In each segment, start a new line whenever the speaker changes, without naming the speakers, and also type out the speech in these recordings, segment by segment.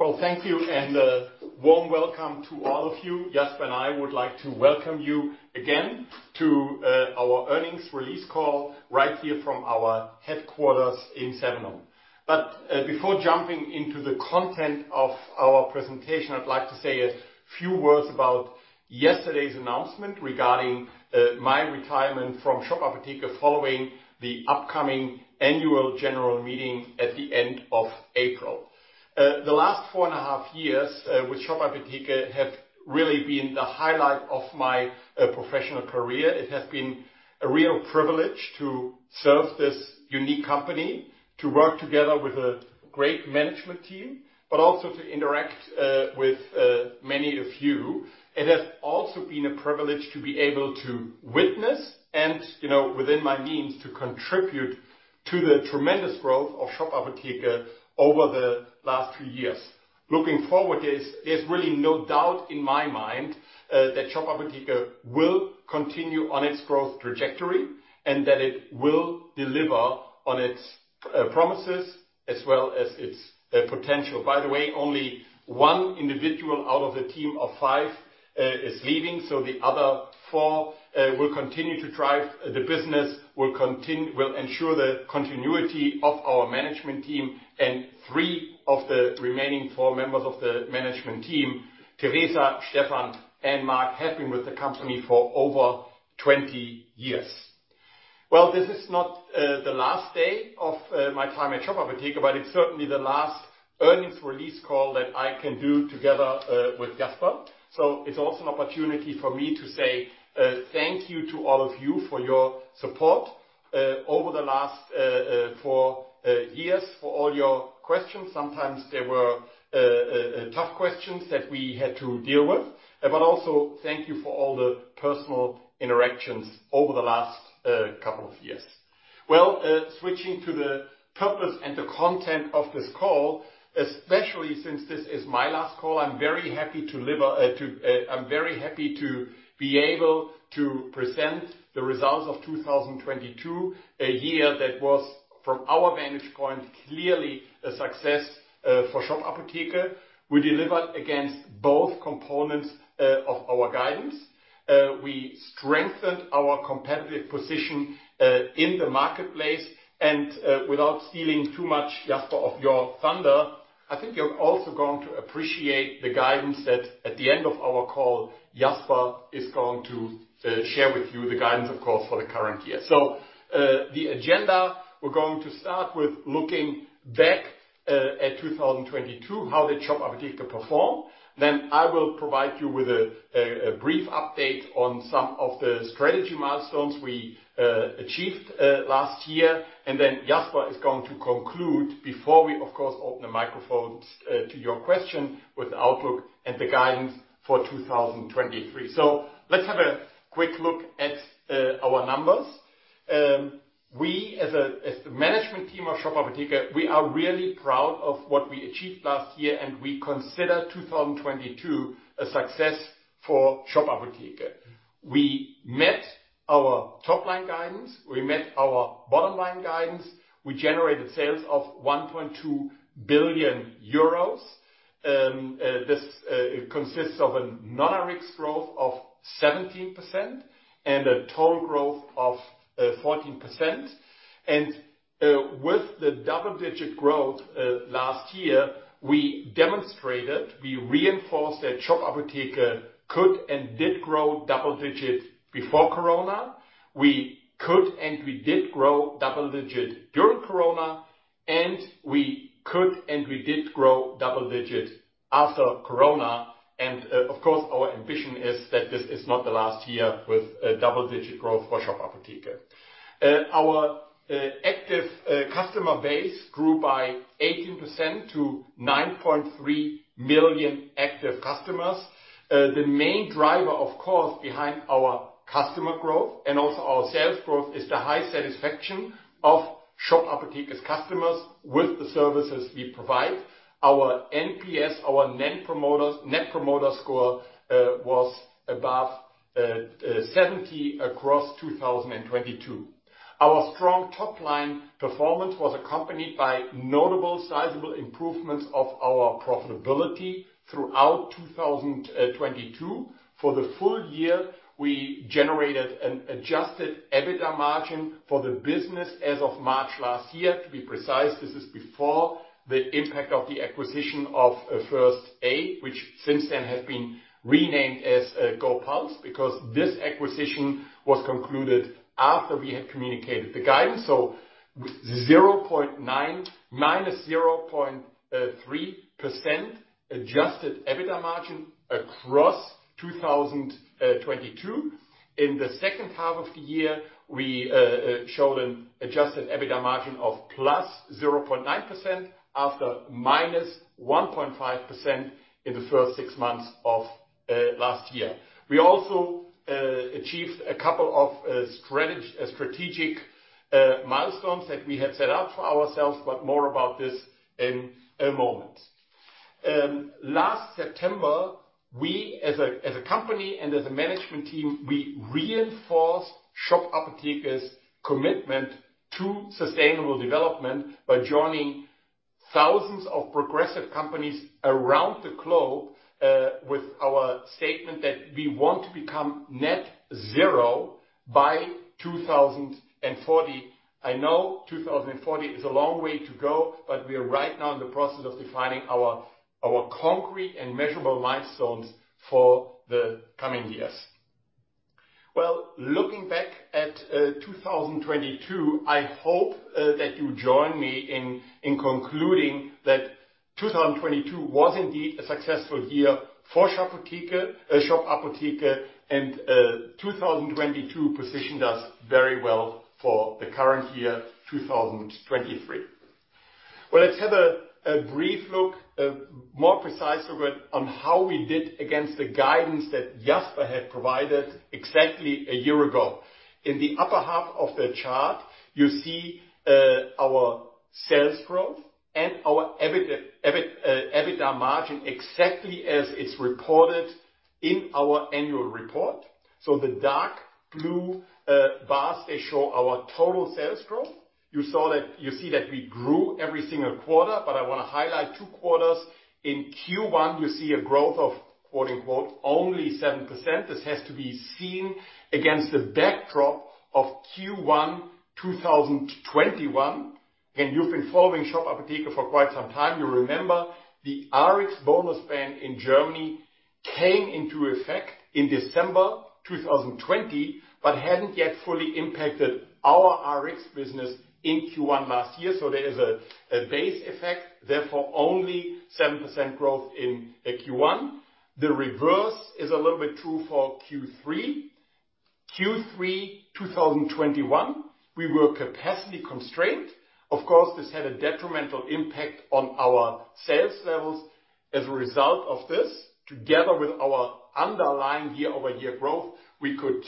Well, thank you and a warm welcome to all of you. Jasper and I would like to welcome you again to our earnings release call right here from our headquarters in Sevenum. Before jumping into the content of our presentation, I'd like to say a few words about yesterday's announcement regarding my retirement from Redcare Pharmacy following the upcoming annual general meeting at the end of April. The last four and a half years with Redcare Pharmacy have really been the highlight of my professional career. It has been a real privilege to serve this unique company, to work together with a great management team, but also to interact with many of you. It has also been a privilege to be able to witness and, you know, within my means, to contribute to the tremendous growth of Shop Apotheke over the last few years. Looking forward, there's really no doubt in my mind that Shop Apotheke will continue on its growth trajectory, and that it will deliver on its promises as well as its potential. By the way, only one individual out of the team of five is leaving, so the other four will continue to drive the business, will ensure the continuity of our management team. Three of the remaining four members of the management team, Theresa, Stefan, and Mark, have been with the company for over 20 years. Well, this is not, the last day of, my time at Shop Apotheke, but it's certainly the last earnings release call that I can do together, with Jasper. It's also an opportunity for me to say, thank you to all of you for your support, over the last four years, for all your questions. Sometimes they were tough questions that we had to deal with. Also thank you for all the personal interactions over the last couple of years. Well, switching to the purpose and the content of this call, especially since this is my last call, I'm very happy to be able to present the results of 2022, a year that was, from our vantage point, clearly a success, for Shop Apotheke. We delivered against both components of our guidance. We strengthened our competitive position in the marketplace. Without stealing too much, Jasper, of your thunder, I think you're also going to appreciate the guidance that at the end of our call, Jasper is going to share with you the guidance, of course, for the current year. The agenda, we're going to start with looking back at 2022, how did Shop Apotheke perform. I will provide you with a brief update on some of the strategy milestones we achieved last year. Jasper is going to conclude before we, of course, open the microphones to your question with outlook and the guidance for 2023. Let's have a quick look at our numbers. We as the management team of Shop Apotheke, we are really proud of what we achieved last year. We consider 2022 a success for Shop Apotheke. We met our top line guidance. We met our bottom line guidance. We generated sales of 1.2 billion euros, this consists of a non-RX growth of 17% and a total growth of 14%. With the double-digit growth last year, we demonstrated, we reinforced that Shop Apotheke could and did grow double digit before Corona. We could and we did grow double digit during Corona. We could and we did grow double digit after Corona. Of course, our ambition is that this is not the last year with a double-digit growth for Shop Apotheke. Our active customer base grew by 18% to 9.3 million active customers. The main driver, of course, behind our customer growth and also our sales growth is the high satisfaction of Shop Apotheke's customers with the services we provide. Our NPS, our Net Promoter Score, was above 70 across 2022. Our strong top line performance was accompanied by notable sizable improvements of our profitability throughout 2022. For the full year, we generated an adjusted EBITDA margin for the business as of March last year. To be precise, this is before the impact of the acquisition of First A, which since then has been renamed as GoPuls, because this acquisition was concluded after we had communicated the guidance. With 0.9%. minus 0.3% adjusted EBITDA margin across 2022. In the second half of the year, we showed an adjusted EBITDA margin of plus 0.9% after minus 1.5% in the first six months of last year. We also achieved a couple of strategic milestones that we had set out for ourselves, but more about this in a moment. Last September, we as a company and as a management team, we reinforced Shop Apotheke's commitment to sustainable development by joining thousands of progressive companies around the globe with our statement that we want to become net zero by 2040. I know 2040 is a long way to go. We are right now in the process of defining our concrete and measurable milestones for the coming years. Well, looking back at 2022, I hope that you join me in concluding that 2022 was indeed a successful year for Shop Apotheke. 2022 positioned us very well for the current year, 2023. Well, let's have a brief look, more precise look at on how we did against the guidance that Jasper had provided exactly a year ago. In the upper half of the chart, you see our sales growth and our EBITDA margin exactly as it's reported in our annual report. The dark blue bars, they show our total sales growth. You see that we grew every single quarter, but I wanna highlight two quarters. In Q1, you see a growth of quote-unquote, "only 7%." This has to be seen against the backdrop of Q1 2021. You've been following Shop Apotheke for quite some time. You remember the Rx bonus ban in Germany came into effect in December 2020, but hadn't yet fully impacted our Rx business in Q1 last year. There is a base effect, therefore only 7% growth in Q1. The reverse is a little bit true for Q3. Q3 2021, we were capacity constrained. Of course, this had a detrimental impact on our sales levels. As a result of this, together with our underlying year-over-year growth, we could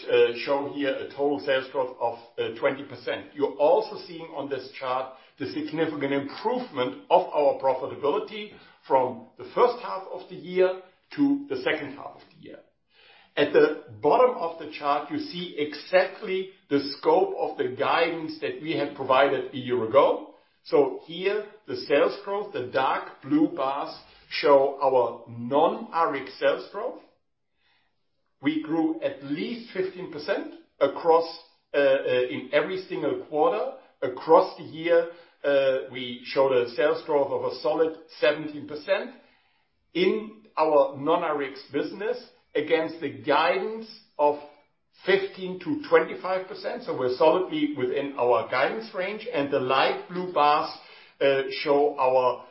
show here a total sales growth of 20%. You're also seeing on this chart the significant improvement of our profitability from the first half of the year to the second half of the year. At the bottom of the chart, you see exactly the scope of the guidance that we had provided a year ago. Here, the sales growth. The dark blue bars show our non-RX sales growth. We grew at least 15% across in every single quarter. Across the year, we showed a sales growth of a solid 17% in our non-RX business against the guidance of 15%-25%, so we're solidly within our guidance range. The light blue bars show our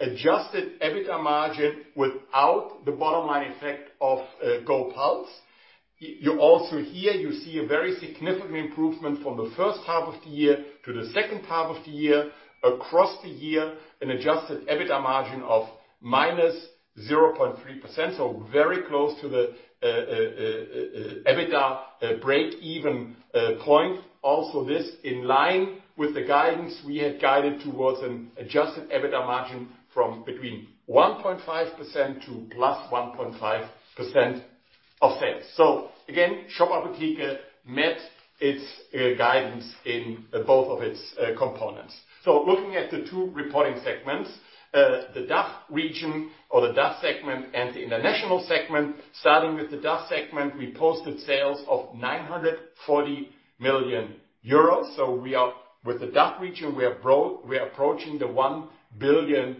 adjusted EBITDA margin without the bottom line effect of GoPuls. You also here you see a very significant improvement from the first half of the year to the second half of the year. Across the year, an adjusted EBITDA margin of -0.3%, so very close to the EBITDA break-even point. Also this in line with the guidance we had guided towards an adjusted EBITDA margin from between 1.5% to +1.5% of sales. Again, Shop Apotheke met its guidance in both of its components. Looking at the two reporting segments, the DACH region or the DACH segment and the international segment. Starting with the DACH segment, we posted sales of 940 million euros. With the DACH region, we are approaching the 1 billion euro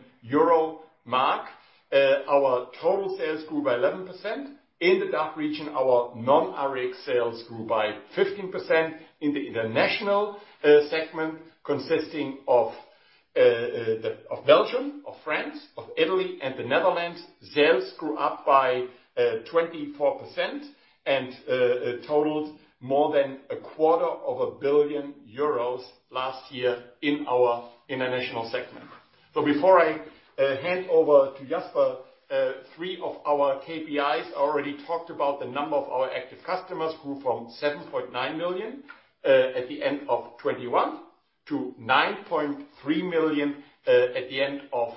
mark. Our total sales grew by 11%. In the DACH region, our non-RX sales grew by 15%. In the international segment, consisting of Belgium, of France, of Italy, and the Netherlands, sales grew up by 24% and totaled more than a quarter of a billion euros last year in our international segment. Before I hand over to Jasper, three of our KPIs. I already talked about the number of our active customers grew from 7.9 million at the end of 2021 to 9.3 million at the end of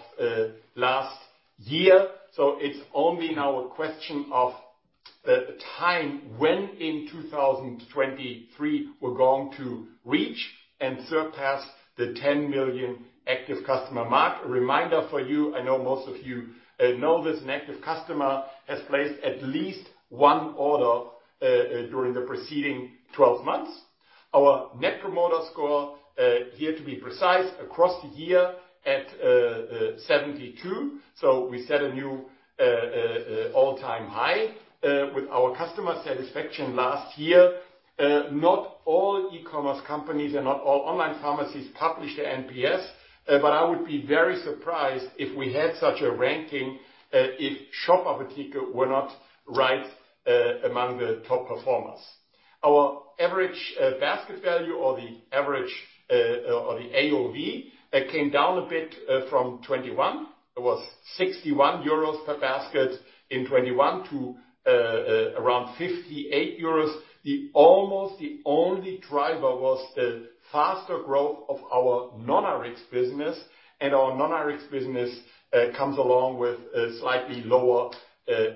last year. It's only now a question of time when in 2023 we're going to reach and surpass the 10 million active customer mark. A reminder for you, I know most of you know this, an active customer has placed at least one order during the preceding 12 months. Our Net Promoter Score here to be precise, across the year at 72. We set a new all-time high with our customer satisfaction last year. Not all e-commerce companies and not all online pharmacies publish their NPS, but I would be very surprised if we had such a ranking if Shop Apotheke were not right among the top performers. Our average basket value or the average or the AOV, that came down a bit from 2021. It was 61 euros per basket in 2021 to around 58 euros. The almost the only driver was the faster growth of our non-RX business. Our non-RX business comes along with a slightly lower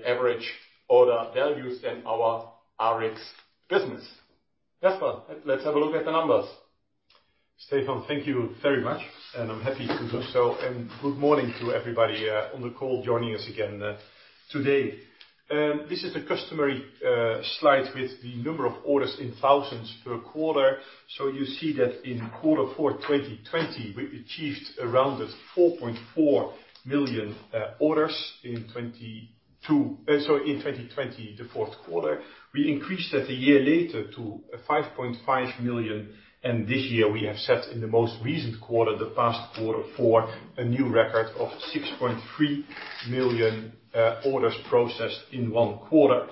average order values than our RX business. Jasper, let's have a look at the numbers.
Stefan, thank you very much. I'm happy to do so. Good morning to everybody on the call joining us again today. This is the customary slide with the number of orders in thousands per quarter. You see that in quarter four 2020, we achieved around 4.4 million orders in 2020, the fourth quarter. We increased that a year later to 5.5 million, and this year we have set in the most recent quarter, the past quarter, for a new record of 6.3 million orders processed in one quarter.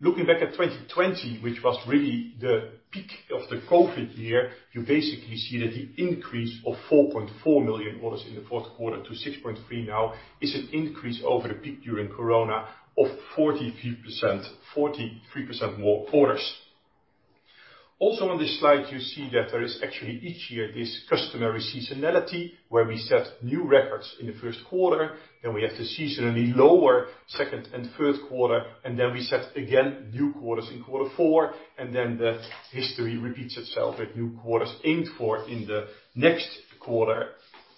Looking back at 2020, which was really the peak of the COVID year, you basically see that the increase of 4.4 million orders in the fourth quarter to 6.3 now is an increase over the peak during Corona of 43%, 43% more orders. On this slide, you see that there is actually each year this customary seasonality where we set new records in the first quarter, then we have to seasonally lower second and third quarter, and then we set again new quarters in quarter four, and then the history repeats itself with new quarters aimed for in the next quarter.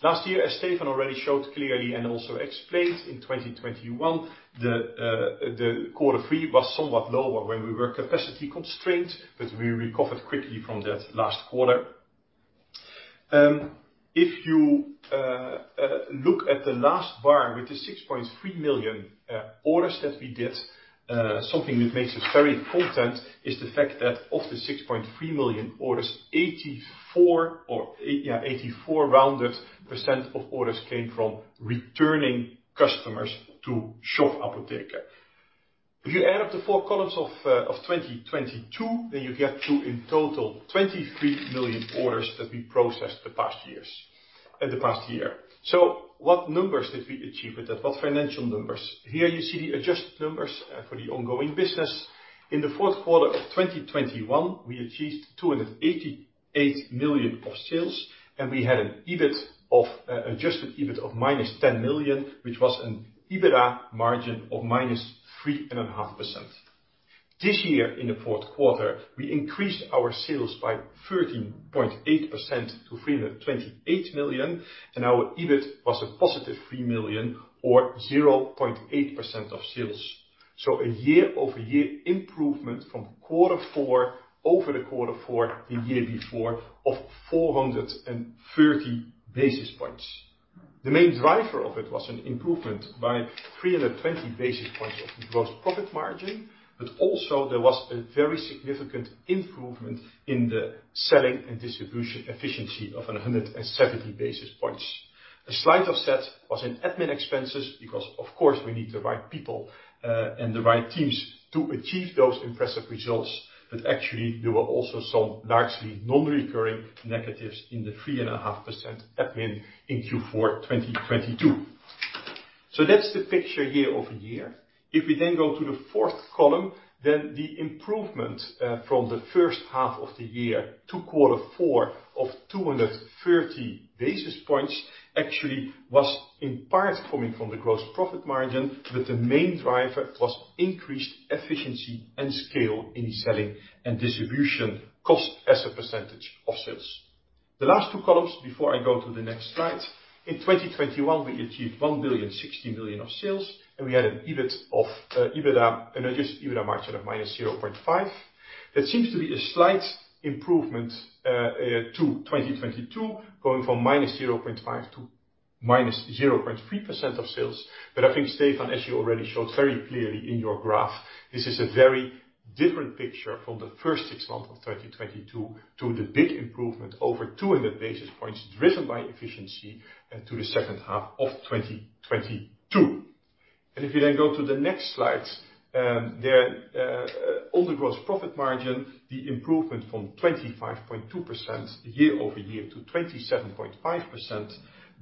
Last year, as Stefan already showed clearly and also explained, in 2021, the quarter three was somewhat lower when we were capacity constrained, we recovered quickly from that last quarter. If you look at the last bar with the 6.3 million orders that we did, something that makes us very content is the fact that of the 6.3 million orders, 84 or, yeah, 84 rounded percent of orders came from returning customers to Shop Apotheke. If you add up the four columns of 2022, then you get to in total 23 million orders that we processed the past year. What numbers did we achieve with that? What financial numbers? Here you see the adjusted numbers for the ongoing business. In the fourth quarter of 2021, we achieved 288 million of sales, and we had an EBIT of adjusted EBIT of minus 10 million, which was an EBITDA margin of minus 3.5%. This year in the 4th quarter, we increased our sales by 13.8% to 328 million. Our EBIT was a positive 3 million or 0.8% of sales. A year-over-year improvement from Q4 over the Q4 the year before of 430 basis points. The main driver of it was an improvement by 320 basis points of gross profit margin, but also there was a very significant improvement in the selling and distribution efficiency of 170 basis points. A slight offset was in admin expenses because, of course, we need the right people and the right teams to achieve those impressive results, but actually, there were also some largely non-recurring negatives in the 3.5% admin in Q4 2022. That's the picture year-over-year. We then go to the fourth column. The improvement from the first half of the year to quarter four of 230 basis points actually was in part coming from the gross profit margin, but the main driver was increased efficiency and scale in selling and distribution cost as a percentage of sales. The last two columns before I go to the next slide. In 2021, we achieved 1.06 billion of sales. We had an adjusted EBITDA margin of -0.5%. That seems to be a slight improvement to 2022, going from -0.5% to -0.3% of sales. I think, Stefan, as you already showed very clearly in your graph, this is a very different picture from the first 6 months of 2022 to the big improvement over 200 basis points driven by efficiency, to the second half of 2022. If you then go to the next slide, there on the gross profit margin, the improvement from 25.2% year-over-year to 27.5%.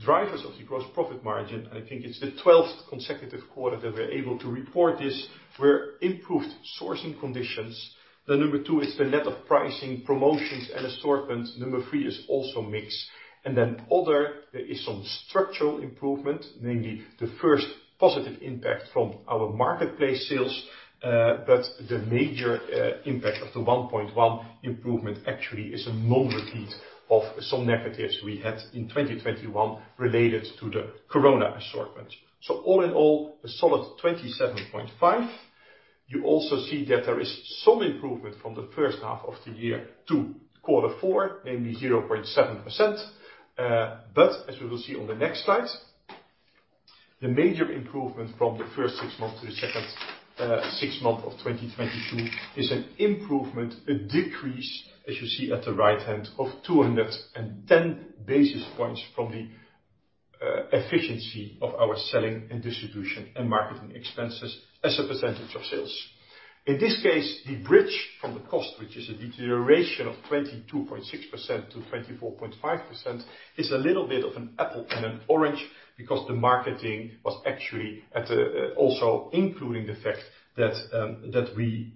Drivers of the gross profit margin, I think it's the 12th consecutive quarter that we're able to report this, were improved sourcing conditions. The number two is the net of pricing, promotions, and assortments. Number three is also mix. Other, there is some structural improvement, namely the first positive impact from our marketplace sales, but the major impact of the 1.1 improvement actually is a non-repeat of some negatives we had in 2021 related to the Corona assortments. All in all, a solid 27.5. You also see that there is some improvement from the first half of the year to Q4, namely 0.7%. As we will see on the next slide, the major improvement from the first six months to the second six months of 2022 is an improvement, a decrease, as you see at the right hand, of 210 basis points from the efficiency of our selling and distribution and marketing expenses as a percentage of sales. In this case, the bridge from the cost, which is a deterioration of 22.6% to 24.5%, is a little bit of an apple and an orange because the marketing was actually at, also including the fact that we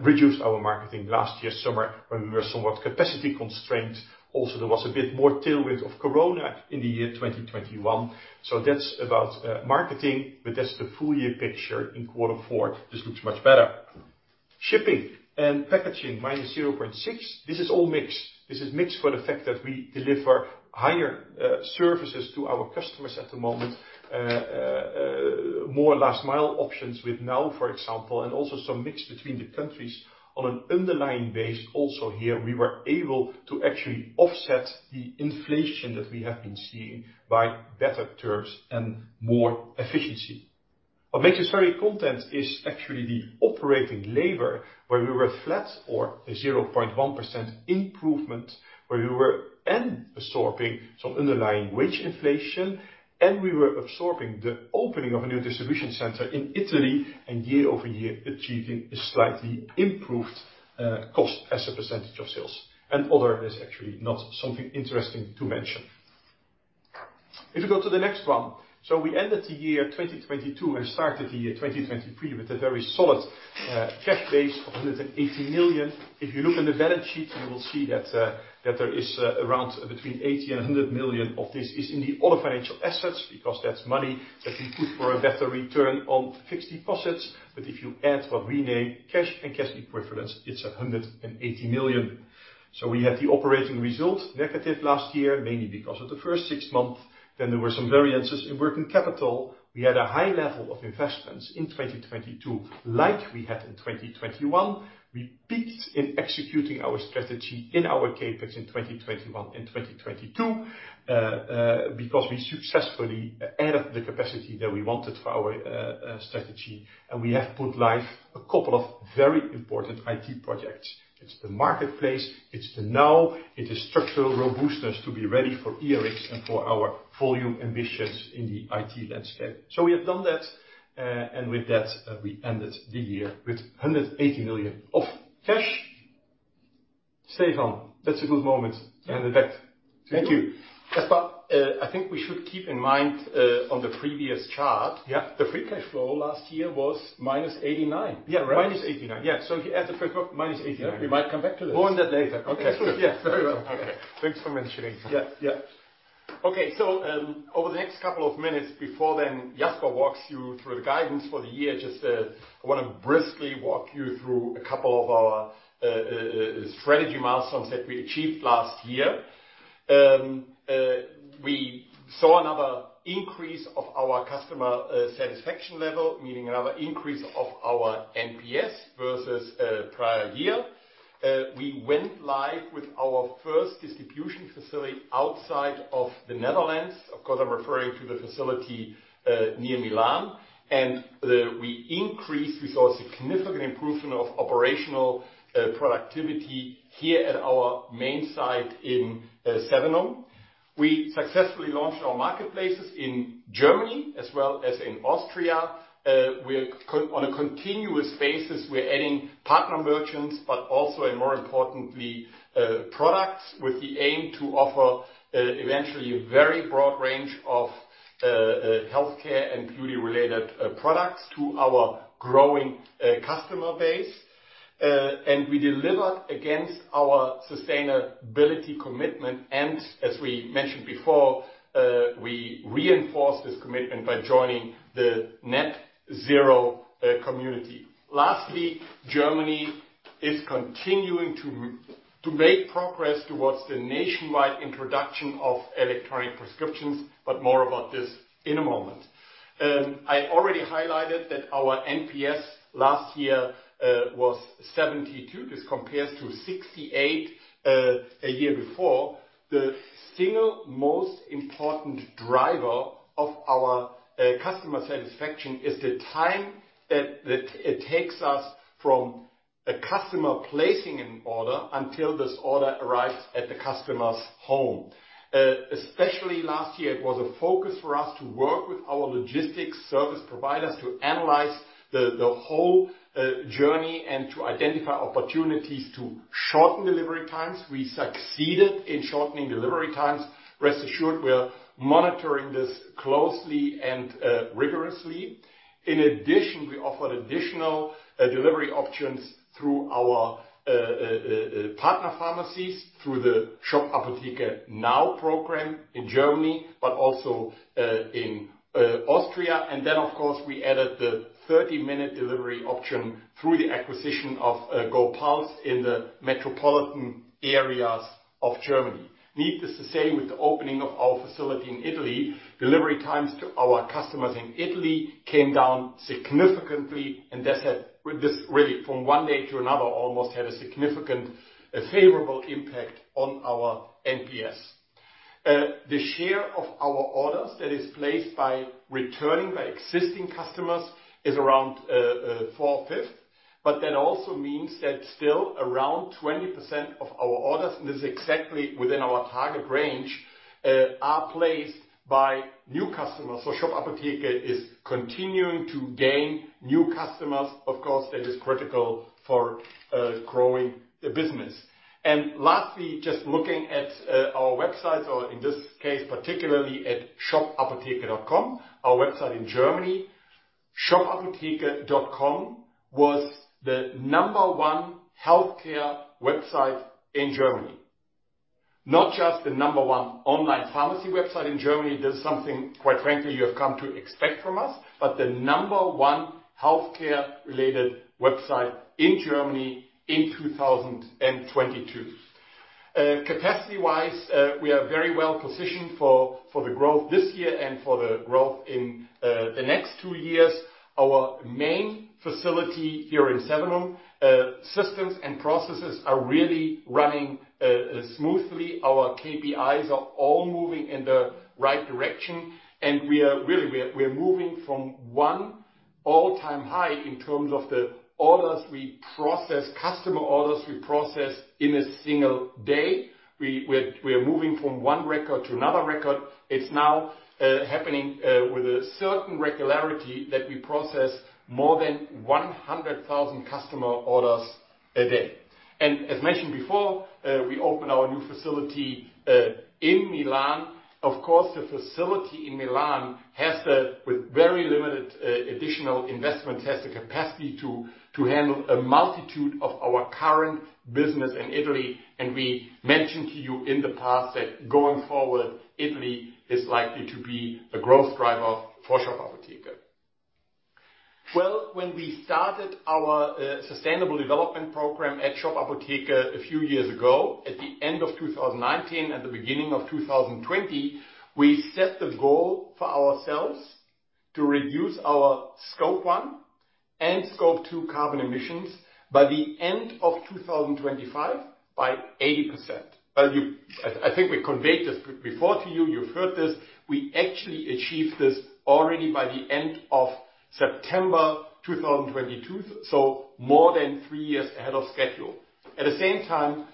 reduced our marketing last year summer when we were somewhat capacity constrained. Also, there was a bit more tailwind of Corona in the year 2021. That's about marketing, but that's the full year picture. In quarter four, this looks much better. Shipping and packaging minus 0.6%. This is all mix. This is mix for the fact that we deliver higher services to our customers at the moment. More last mile options with Shop Apotheke Now!, for example, and also some mix between the countries on an underlying base. Here, we were able to actually offset the inflation that we have been seeing by better terms and more efficiency. What makes us very content is actually the operating labor, where we were flat or a 0.1% improvement, where we were and absorbing some underlying wage inflation, and we were absorbing the opening of a new distribution center in Italy and year-over-year achieving a slightly improved cost as a percentage of sales. Other is actually not something interesting to mention. If you go to the next one. We ended the year 2022 and started the year 2023 with a very solid cash base of 180 million. If you look in the balance sheet, you will see that there is around between 80 million and 100 million of this is in the other financial assets, because that's money that we put for a better return on fixed deposits. If you add what we name cash and cash equivalents, it's 180 million. We had the operating result negative last year, mainly because of the first six months. There were some variances in working capital. We had a high level of investments in 2022 like we had in 2021. We peaked in executing our strategy in our CapEx in 2021 and 2022, because we successfully added the capacity that we wanted for our strategy, and we have put live a couple of very important IT projects. It's the marketplace, it's the now, it is structural robustness to be ready for ERX and for our volume ambitions in the IT landscape. We have done that, and with that, we ended the year with 180 million of cash. Stefan, that's a good moment. Hand it back to you.
Thank you. Jasper, I think we should keep in mind, on the previous chart-
Yeah.
The free cash flow last year was -EUR 89.
Yeah. Minus 89.
Yeah. If you add the minus 89.
We might come back to that.
More on that later. Okay, good.
Yeah. Very well.
Okay. Thanks for mentioning.
Yeah. Yeah.
Okay. Over the next couple of minutes before then Jasper walks you through the guidance for the year, just I wanna briskly walk you through a couple of our strategy milestones that we achieved last year. We saw another increase of our customer satisfaction level, meaning another increase of our NPS versus prior year. We went live with our first distribution facility outside of the Netherlands. Of course, I'm referring to the facility near Milan. We saw a significant improvement of operational productivity here at our main site in Sevenum. We successfully launched our marketplaces in Germany as well as in Austria. On a continuous basis, we're adding partner merchants, but also, and more importantly, products with the aim to offer eventually a very broad range of healthcare and beauty related products to our growing customer base. We delivered against our sustainability commitment. As we mentioned before, we reinforced this commitment by joining the Net Zero community. Lastly, Germany is continuing to make progress towards the nationwide introduction of electronic prescriptions, but more about this in a moment. I already highlighted that our NPS last year was 72. This compares to 68 a year before. The single most important driver of our customer satisfaction is the time that it takes us from a customer placing an order until this order arrives at the customer's home. Especially last year, it was a focus for us to work with our logistics service providers to analyze the whole journey and to identify opportunities to shorten delivery times. We succeeded in shortening delivery times. Rest assured we are monitoring this closely and rigorously. In addition, we offered additional delivery options through our partner pharmacies through the Shop Apotheke Now! program in Germany, but also in Austria. Then, of course, we added the 30-minute delivery option through the acquisition of GoPuls in the metropolitan areas of Germany. Needless to say, with the opening of our facility in Italy, delivery times to our customers in Italy came down significantly, and this had, this really from one day to another, almost had a significant favorable impact on our NPS. The share of our orders that is placed by returning, by existing customers is around four-fifth. That also means that still around 20% of our orders, and this is exactly within our target range, are placed by new customers. Shop Apotheke is continuing to gain new customers. Of course, that is critical for growing the business. Lastly, just looking at our website, or in this case, particularly at shop-apotheke.com, our website in Germany. shop-apotheke.com was the number one healthcare website in Germany. Not just the number one online pharmacy website in Germany. That's something, quite frankly, you have come to expect from us, but the number one healthcare-related website in Germany in 2022. Capacity-wise, we are very well positioned for the growth this year and for the growth in the next two years. Our main facility here in Sevenum, systems and processes are really running smoothly. Our KPIs are all moving in the right direction. We are moving from one all-time high in terms of the orders we process, customer orders we process in a single day. We're moving from one record to another record. It's now happening with a certain regularity that we process more than 100,000 customer orders a day. As mentioned before, we opened our new facility in Milan. Of course, the facility in Milan has with very limited additional investment, has the capacity to handle a multitude of our current business in Italy. We mentioned to you in the past that going forward, Italy is likely to be a growth driver for Shop Apotheke. Well, when we started our sustainable development program at Shop Apotheke a few years ago, at the end of 2019 and the beginning of 2020, we set the goal for ourselves to reduce our Scope 1 and Scope 2 carbon emissions by the end of 2025 by 80%. I think we conveyed this before to you. You've heard this. We actually achieved this already by the end of September 2022, so more than three years ahead of schedule. At the same time,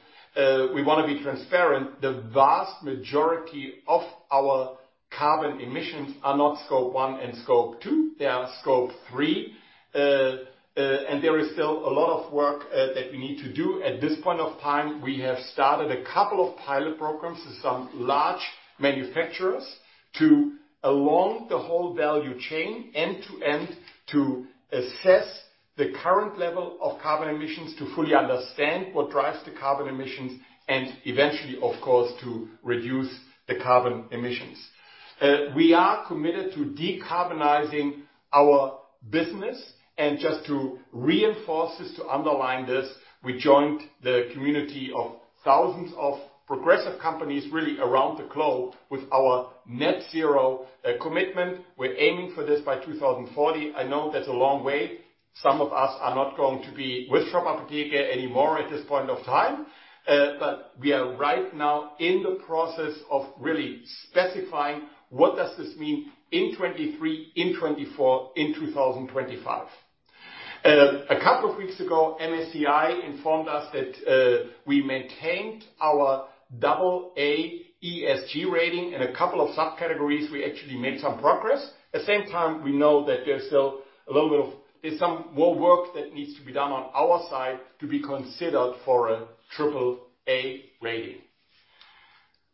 we wanna be transparent. The vast majority of our carbon emissions are not Scope 1 and Scope 2. They are Scope 3. There is still a lot of work that we need to do. At this point of time, we have started a couple of pilot programs with some large manufacturers to, along the whole value chain, end to end, to assess the current level of carbon emissions, to fully understand what drives the carbon emissions, and eventually, of course, to reduce the carbon emissions. We are committed to decarbonizing our business, just to reinforce this, to underline this, we joined the community of thousands of progressive companies really around the globe with our net zero commitment. We're aiming for this by 2040. I know that's a long way. Some of us are not going to be with Shop Apotheke anymore at this point of time. We are right now in the process of really specifying what does this mean in 23, in 24, in 2025. A couple of weeks ago, MSCI informed us that we maintained our double A ESG rating. In a couple of subcategories, we actually made some progress. At the same time, we know that there's still some more work that needs to be done on our side to be considered for a triple A rating.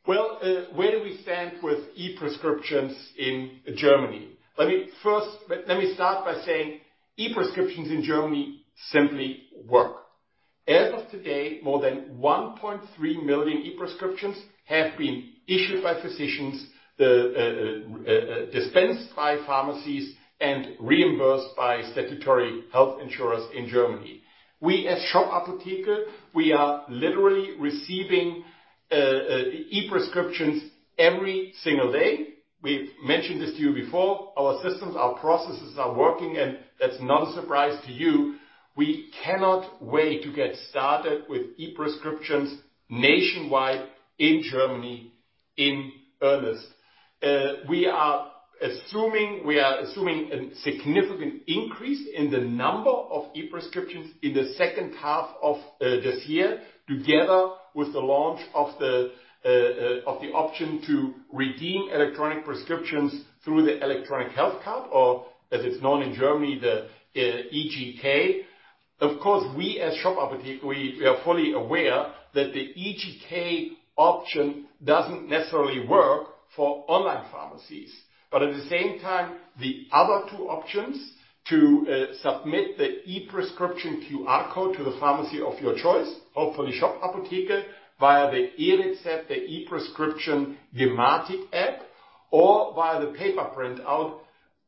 Well, where do we stand with e-prescriptions in Germany? Let me start by saying e-prescriptions in Germany simply work. As of today, more than 1.3 million e-prescriptions have been issued by physicians, dispensed by pharmacies, and reimbursed by statutory health insurers in Germany. We as Shop Apotheke, we are literally receiving e-prescriptions every single day. We've mentioned this to you before. Our systems, our processes are working, and that's not a surprise to you. We cannot wait to get started with e-prescriptions nationwide in Germany in earnest. We are assuming a significant increase in the number of e-prescriptions in the second half of this year, together with the launch of the option to redeem electronic prescriptions through the electronic health card, or as it's known in Germany, the eGK. Of course, we as Shop Apotheke, we are fully aware that the eGK option doesn't necessarily work for online pharmacies. At the same time, the other two options to submit the e-prescription QR code to the pharmacy of your choice, hopefully Shop Apotheke, via the E-Rezept, the E-Rezept gematik app, or via the paper printout,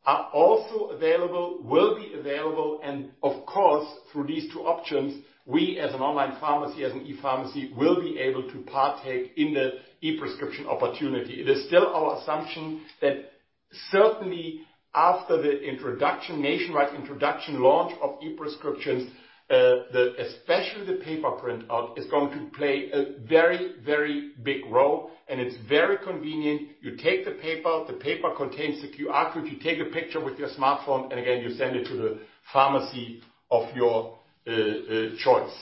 are also available, will be available. Of course, through these two options, we, as an online pharmacy, as an e-pharmacy, will be able to partake in the e-prescription opportunity. It is still our assumption that certainly after the introduction, nationwide introduction launch of e-prescriptions. The especially the paper printout is going to play a very, very big role, and it's very convenient. You take the paper, the paper contains the QR code. You take a picture with your smartphone, and again, you send it to the pharmacy of your choice.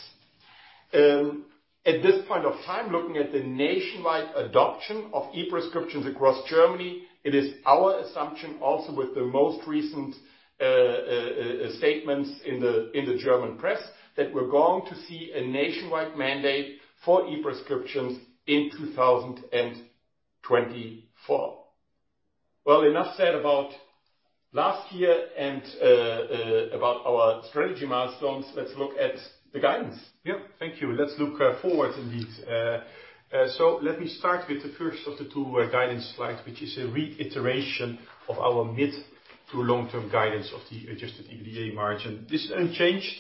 At this point of time, looking at the nationwide adoption of e-prescriptions across Germany, it is our assumption also with the most recent statements in the German press that we're going to see a nationwide mandate for e-prescriptions in 2024. Enough said about last year and about our strategy milestones. Let's look at the guidance.
Yeah. Thank you. Let's look forward indeed. Let me start with the first of the two guidance slides, which is a reiteration of our mid to long-term guidance of the adjusted EBITDA margin. This unchanged,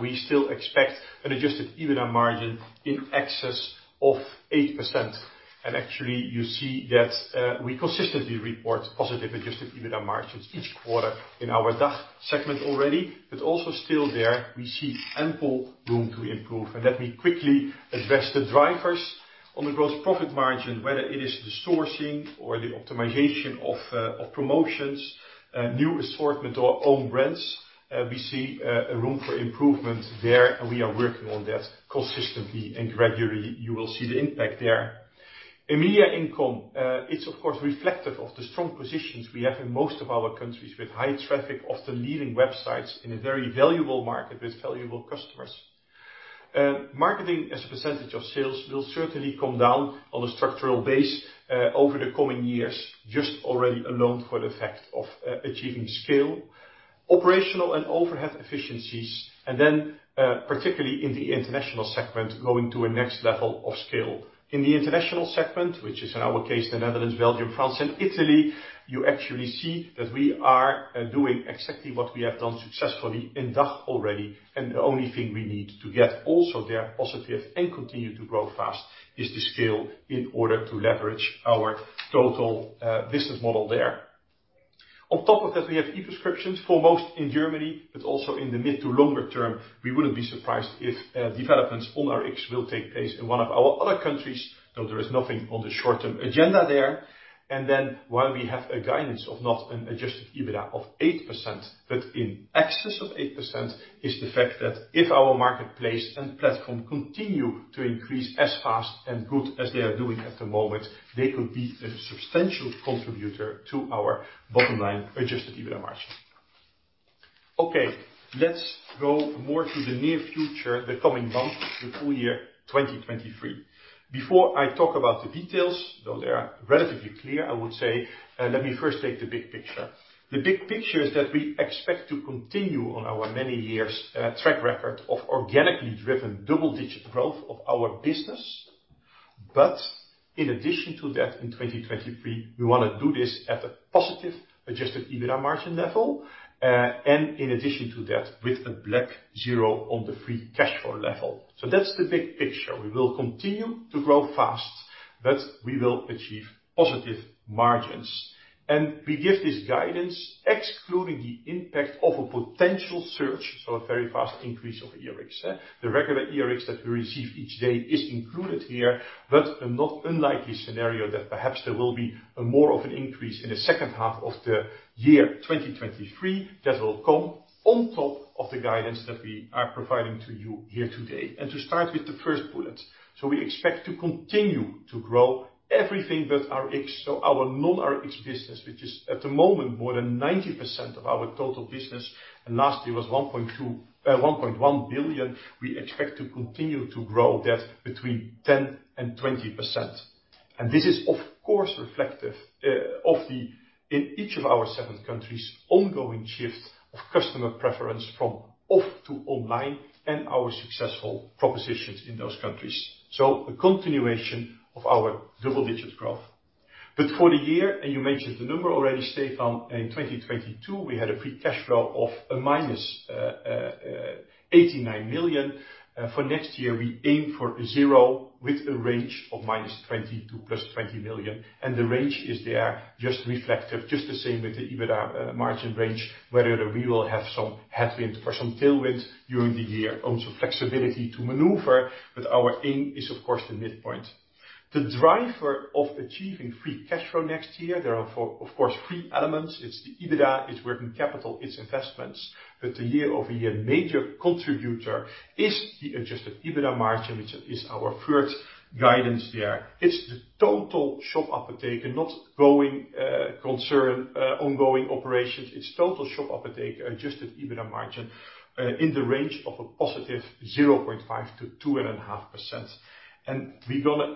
we still expect an adjusted EBITDA margin in excess of 8%. Actually, you see that, we consistently report positive adjusted EBITDA margins each quarter in our DACH segment already. Also still there, we see ample room to improve. Let me quickly address the drivers on the gross profit margin, whether it is the sourcing or the optimization of promotions, new assortment or own brands. We see a room for improvement there, and we are working on that consistently and gradually. You will see the impact there. Immediate income, it's of course reflective of the strong positions we have in most of our countries with high traffic, often leading websites in a very valuable market with valuable customers. Marketing as a percentage of sales will certainly come down on a structural base over the coming years, just already alone for the fact of achieving scale. Operational and overhead efficiencies, and then particularly in the international segment, going to a next level of scale. In the international segment, which is in our case, the Netherlands, Belgium, France, and Italy, you actually see that we are doing exactly what we have done successfully in DACH already, and the only thing we need to get also there positive and continue to grow fast is the scale in order to leverage our total business model there. On top of that, we have E-prescriptions foremost in Germany, but also in the mid to longer term, we wouldn't be surprised if developments on RX will take place in one of our other countries, though there is nothing on the short-term agenda there. While we have a guidance of not an adjusted EBITDA of 8%, but in excess of 8% is the fact that if our marketplace and platform continue to increase as fast and good as they are doing at the moment, they could be a substantial contributor to our bottom line adjusted EBITDA margin. Okay, let's go more to the near future, the coming months, the full year, 2023. Before I talk about the details, though they are relatively clear, I would say, let me first take the big picture. The big picture is that we expect to continue on our many years track record of organically driven double-digit growth of our business. In addition to that, in 2023, we wanna do this at a positive adjusted EBITDA margin level. In addition to that, with a black zero on the free cash flow level. That's the big picture. We will continue to grow fast, but we will achieve positive margins. We give this guidance excluding the impact of a potential search of a very fast increase of ERX. The regular ERX that we receive each day is included here, but a not unlikely scenario that perhaps there will be a more of an increase in the second half of the year 2023. That will come on top of the guidance that we are providing to you here today. To start with the first bullet. We expect to continue to grow everything but our ERX. Our non-ERX business, which is at the moment more than 90% of our total business, and last year was 1.1 billion. We expect to continue to grow that between 10%-20%. This is, of course, reflective of the, in each of our 7 countries, ongoing shift of customer preference from off to online and our successful propositions in those countries. A continuation of our double-digit growth. For the year, and you mentioned the number already, Stefan, in 2022, we had a free cash flow of a minus 89 million. For next year, we aim for 0 with a range of -20 million to EUR +20 million. The range is there just reflective, just the same with the EBITDA margin range, whether we will have some headwind or some tailwind during the year. Also flexibility to maneuver, but our aim is of course the midpoint. The driver of achieving free cash flow next year, there are, of course, three elements. It's the EBITDA, it's working capital, it's investments. The year-over-year major contributor is the adjusted EBITDA margin, which is our first guidance there. It's the total Shop uptake and not growing concern, ongoing operations. It's total Shop uptake, adjusted EBITDA margin, in the range of a positive 0.5%-2.5%. We're gonna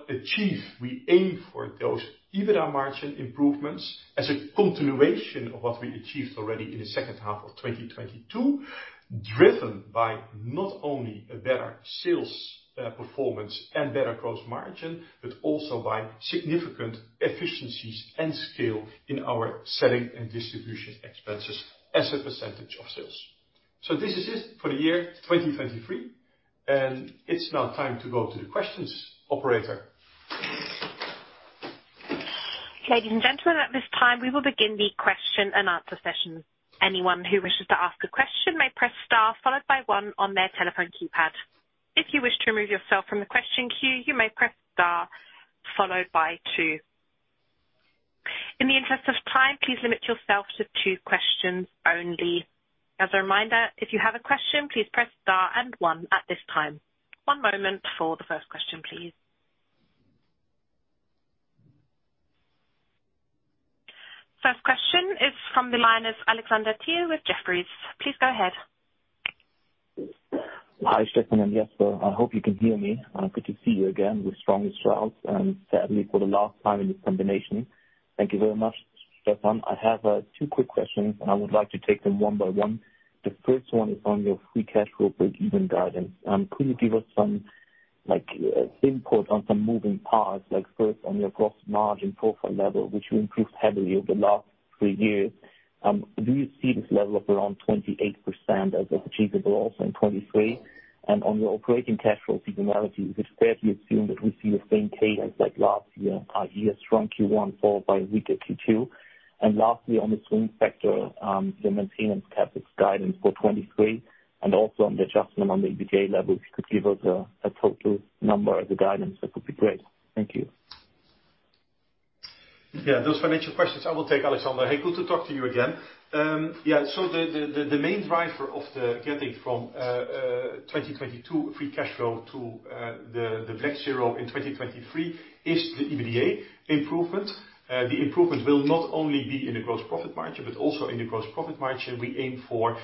achieve, we aim for those EBITDA margin improvements as a continuation of what we achieved already in the second half of 2022, driven by not only a better sales performance and better gross margin, but also by significant efficiencies and scale in our selling and distribution expenses as a percentage of sales. This is it for the year 2023, and it's now time to go to the questions, operator.
Ladies and gentlemen, at this time we will begin the question and answer session. Anyone who wishes to ask a question may press star followed by one on their telephone keypad. If you wish to remove yourself from the question queue, you may press star followed by two. In the interest of time, please limit yourself to two questions only. As a reminder, if you have a question, please press star and one at this time. One moment for the first question, please. First question is from the line of Alexander Thiel with Jefferies. Please go ahead.
Hi, Stefan and Jasper. I hope you can hear me. Good to see you again with strongest trials and sadly for the last time in this combination. Thank you very much, Stefan. I have two quick questions and I would like to take them one by one. The first one is on your free cash flow break-even guidance. Could you give us some, like, input on some moving parts, like first on your gross margin profile level, which you improved heavily over the last three years. Do you see this level of around 28% as achievable also in 2023? On your operating cash flow seasonality, is it fair to assume that we see the same cadence like last year, i.e., a strong Q1 followed by weaker Q2? Lastly, on the swing factor, the maintenance CapEx guidance for 23 and also on the adjustment on the EBITDA level. If you could give us a total number as a guidance, that would be great. Thank you.
Yeah. Those financial questions I will take, Alexander. Hey, good to talk to you again. Yeah. The main driver of getting from 2022 free cash flow to the black zero in 2023 is the EBITDA improvement. The improvement will not only be in the gross profit margin, but also in the gross profit margin we aim for.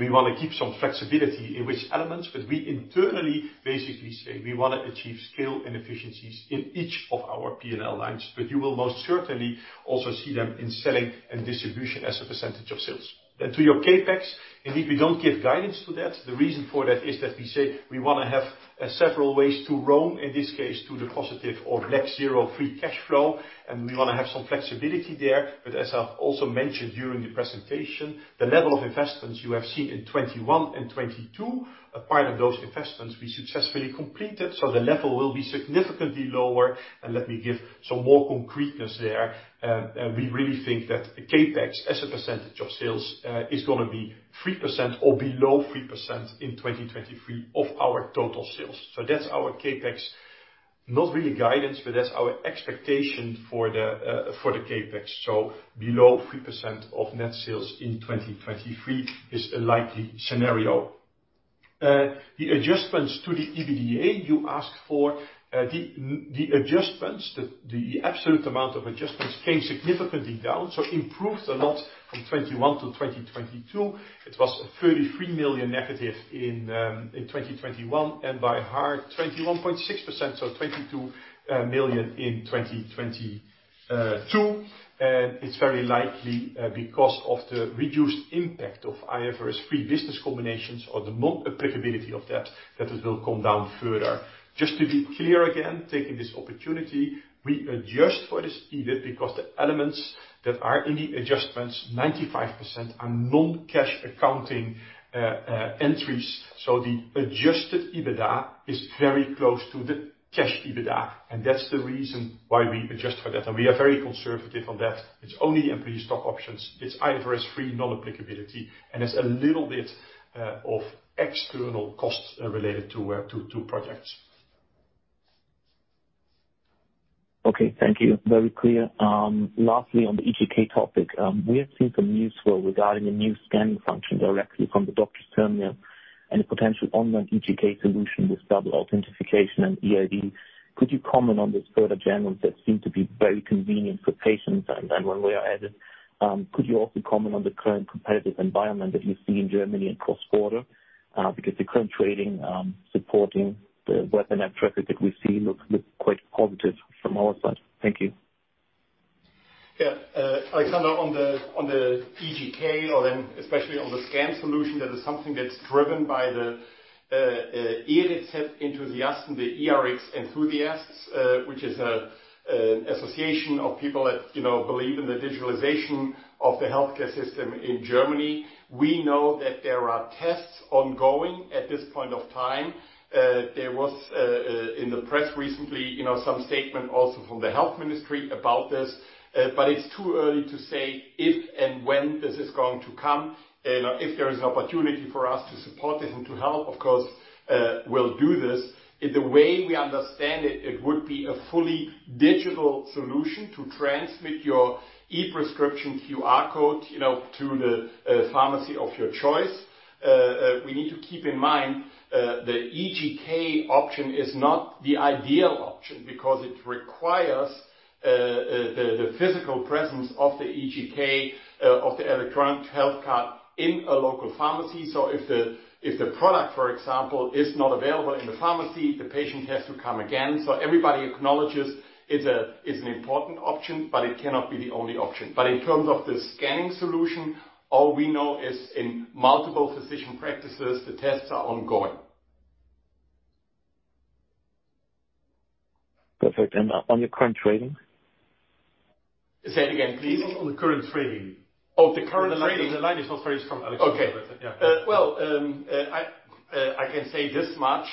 We want to keep some flexibility in which elements. We internally basically say we wanna achieve scale and efficiencies in each of our P&L lines. You will most certainly also see them in selling and distribution as a percentage of sales. To your CapEx, indeed, we don't give guidance to that. The reason for that is that we say we wanna have several ways to roam, in this case to the positive or net zero free cash flow, and we wanna have some flexibility there. As I've also mentioned during the presentation, the level of investments you have seen in 2021 and 2022, a part of those investments we successfully completed, so the level will be significantly lower. Let me give some more concreteness there. We really think that CapEx as a % of sales is gonna be 3% or below 3% in 2023 of our total sales. That's our CapEx. Not really guidance, but that's our expectation for the CapEx. Below 3% of net sales in 2023 is a likely scenario. The adjustments to the EBITDA you ask for. The, the adjustments, the absolute amount of adjustments came significantly down, so improved a lot from 2021 to 2022. It was a 33 million negative in 2021, and by hard, 21.6%, so EUR 22 million in 2022. It's very likely because of the reduced impact of IFRS 3 business combinations or the non-applicability of that it will come down further. Just to be clear again, taking this opportunity, we adjust for this EBIT because the elements that are in the adjustments, 95% are non-cash accounting entries. So the adjusted EBITDA is very close to the cash EBITDA, and that's the reason why we adjust for that. We are very conservative on that. It's only employee stock options. It's IFRS 3 non-applicability, it's a little bit of external costs related to projects.
Okay. Thank you. Very clear. Lastly, on the eGK topic, we have seen some news flow regarding the new scanning function directly from the doctor's terminal and the potential online eGK solution with double authentication and eID. Could you comment on this further, Jan, as that seems to be very convenient for patients? One way I added, could you also comment on the current competitive environment that you see in Germany and cross-border? Because the current trading supporting the web and app traffic that we see looks quite positive from our side. Thank you.
Alexander, on the eGK or then especially on the scan solution, that is something that's driven by the enthusiasts, the e-Rx enthusiasts, which is a association of people that, you know, believe in the digitalization of the healthcare system in Germany. We know that there are tests ongoing at this point of time. There was in the press recently, you know, some statement also from the health ministry about this. But it's too early to say if and when this is going to come. You know, if there is an opportunity for us to support this and to help, of course, we'll do this. In the way we understand it would be a fully digital solution to transmit your E-Rezept QR code, you know, to the pharmacy of your choice. We need to keep in mind, the eGK option is not the ideal option because it requires the physical presence of the eGK of the electronic health card in a local pharmacy. If the product, for example, is not available in the pharmacy, the patient has to come again. Everybody acknowledges it's an important option, but it cannot be the only option. In terms of the scanning solution, all we know is in multiple physician practices, the tests are ongoing.
Perfect. On the current trading?
Say it again, please.
On the current trading.
Oh, the current trading-
The line is not very strong, Alexander.
Okay. Well, I can say this much,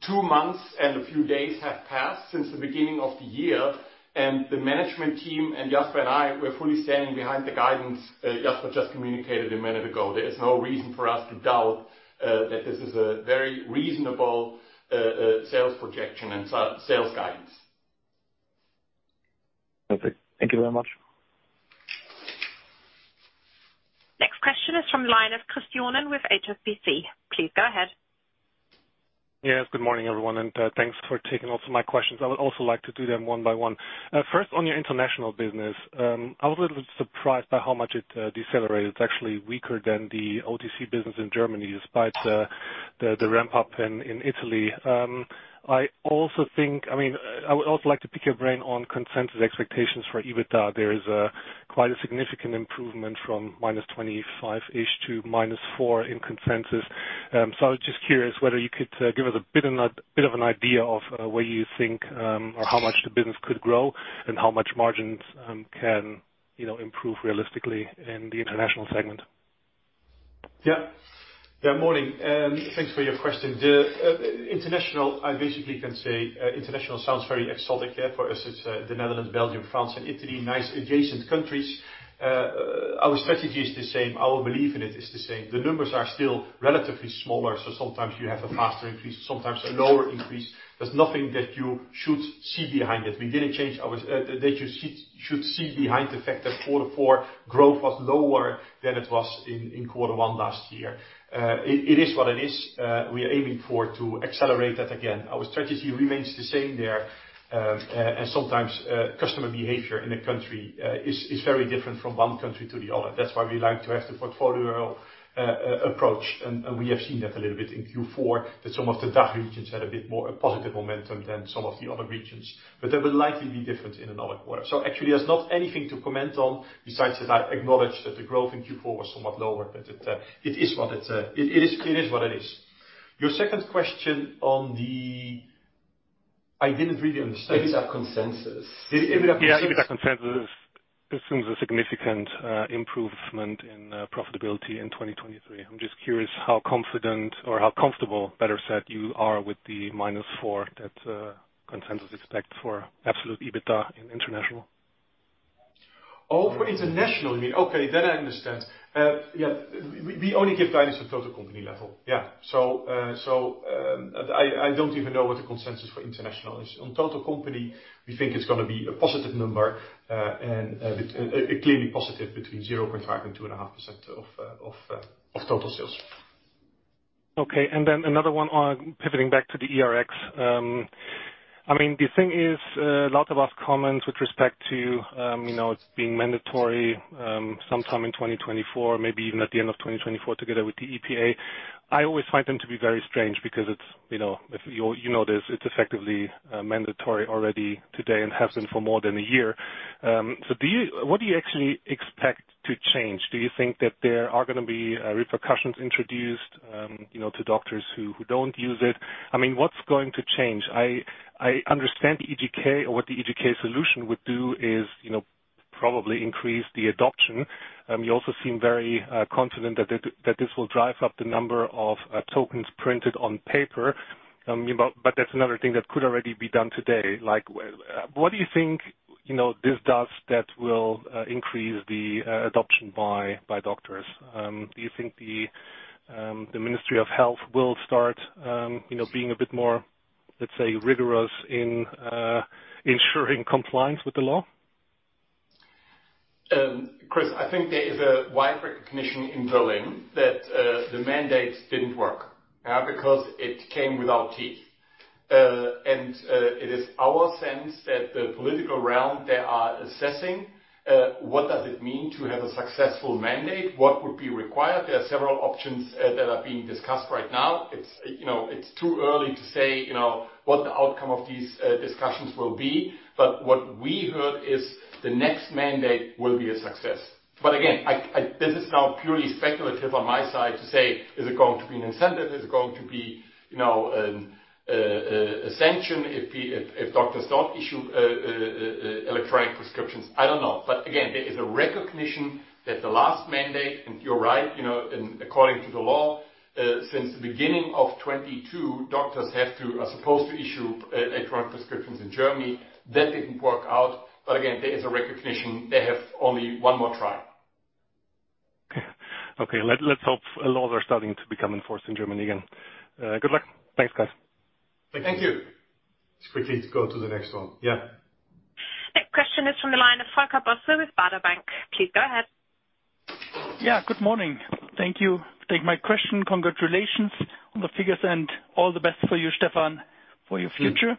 two months and a few days have passed since the beginning of the year, and the management team and Jasper and I, we're fully standing behind the guidance, Jasper just communicated one minute ago. There is no reason for us to doubt that this is a very reasonable sales projection and sales guidance.
Perfect. Thank you very much.
Next question is from the line of Chris Johnen with HSBC. Please go ahead.
Yes, good morning, everyone, thanks for taking also my questions. I would also like to do them one by one. First, on your international business, I was a little surprised by how much it decelerated. It's actually weaker than the OTC business in Germany, despite the ramp up in Italy. I mean, I would also like to pick your brain on consensus expectations for EBITDA. There is a quite a significant improvement from -25-ish to -4 in consensus. I was just curious whether you could give us a bit of an idea of where you think or how much the business could grow and how much margins can, you know, improve realistically in the international segment.
Morning. Thanks for your question. The international, I basically can say, international sounds very exotic. For us, it's the Netherlands, Belgium, France, and Italy. Nice adjacent countries. Our strategy is the same. Our belief in it is the same. The numbers are still relatively smaller, so sometimes you have a faster increase, sometimes a lower increase. There's nothing that you should see behind it. They should see behind the fact that quarter four growth was lower than it was in quarter one last year. It is what it is. We are aiming for to accelerate that again. Our strategy remains the same there. Sometimes customer behavior in a country is very different from one country to the other. That's why we like to have the portfolio approach. We have seen that a little bit in Q4, that some of the DACH regions had a bit more positive momentum than some of the other regions. They will likely be different in another quarter. Actually, there's not anything to comment on besides that I acknowledge that the growth in Q4 was somewhat lower, but it is what it is. Your second question on the. I didn't really understand.
EBITDA consensus.
The EBITDA consensus-
Yeah, EBITDA consensus assumes a significant improvement in profitability in 2023. I'm just curious how confident or how comfortable, better said, you are with the -4 that consensus expect for absolute EBITDA in international?
Oh, for international, you mean. Okay, I understand. Yeah, we only give guidance at total company level. Yeah. I don't even know what the consensus for international is. On total company, we think it's gonna be a positive number, and a clearly positive between 0.5% and 2.5% of total sales.
Okay, another one on pivoting back to the eRX. I mean, the thing is, a lot of our comments with respect to, you know, it being mandatory, sometime in 2024, maybe even at the end of 2024 together with the ePA. I always find them to be very strange because it's, you know, if you know this, it's effectively mandatory already today and has been for more than a year. What do you actually expect to change? Do you think that there are gonna be repercussions introduced, you know, to doctors who don't use it? I mean, what's going to change? I understand the eGK or what the eGK solution would do is, you know, probably increase the adoption. You also seem very confident that this will drive up the number of tokens printed on paper. That's another thing that could already be done today. What do you think, you know, this does that will increase the adoption by doctors? Do you think the Ministry of Health will start, you know, being a bit more, let's say, rigorous in ensuring compliance with the law?
Chris, I think there is a wide recognition in Berlin that the mandate didn't work because it came without teeth. And it is our sense that the political realm, they are assessing what does it mean to have a successful mandate? What would be required? There are several options that are being discussed right now. It's, you know, it's too early to say, you know, what the outcome of these discussions will be. What we heard is the next mandate will be a success. Again, I, this is now purely speculative on my side to say, is it going to be an incentive? Is it going to be, you know, a sanction if doctors don't issue electronic prescriptions? I don't know. There is a recognition that the last mandate, and you're right, you know, and according to the law, since the beginning of 2022, doctors are supposed to issue electronic prescriptions in Germany. That didn't work out. There is a recognition they have only 1 more try.
Okay. Let's hope laws are starting to become enforced in Germany again. Good luck. Thanks, guys.
Thank you.
Let's quickly go to the next one. Yeah.
Next question is from the line of Volker Bosse with Baader Bank. Please go ahead.
Good morning. Thank you for taking my question. Congratulations on the figures and all the best for you, Stefan, for your future.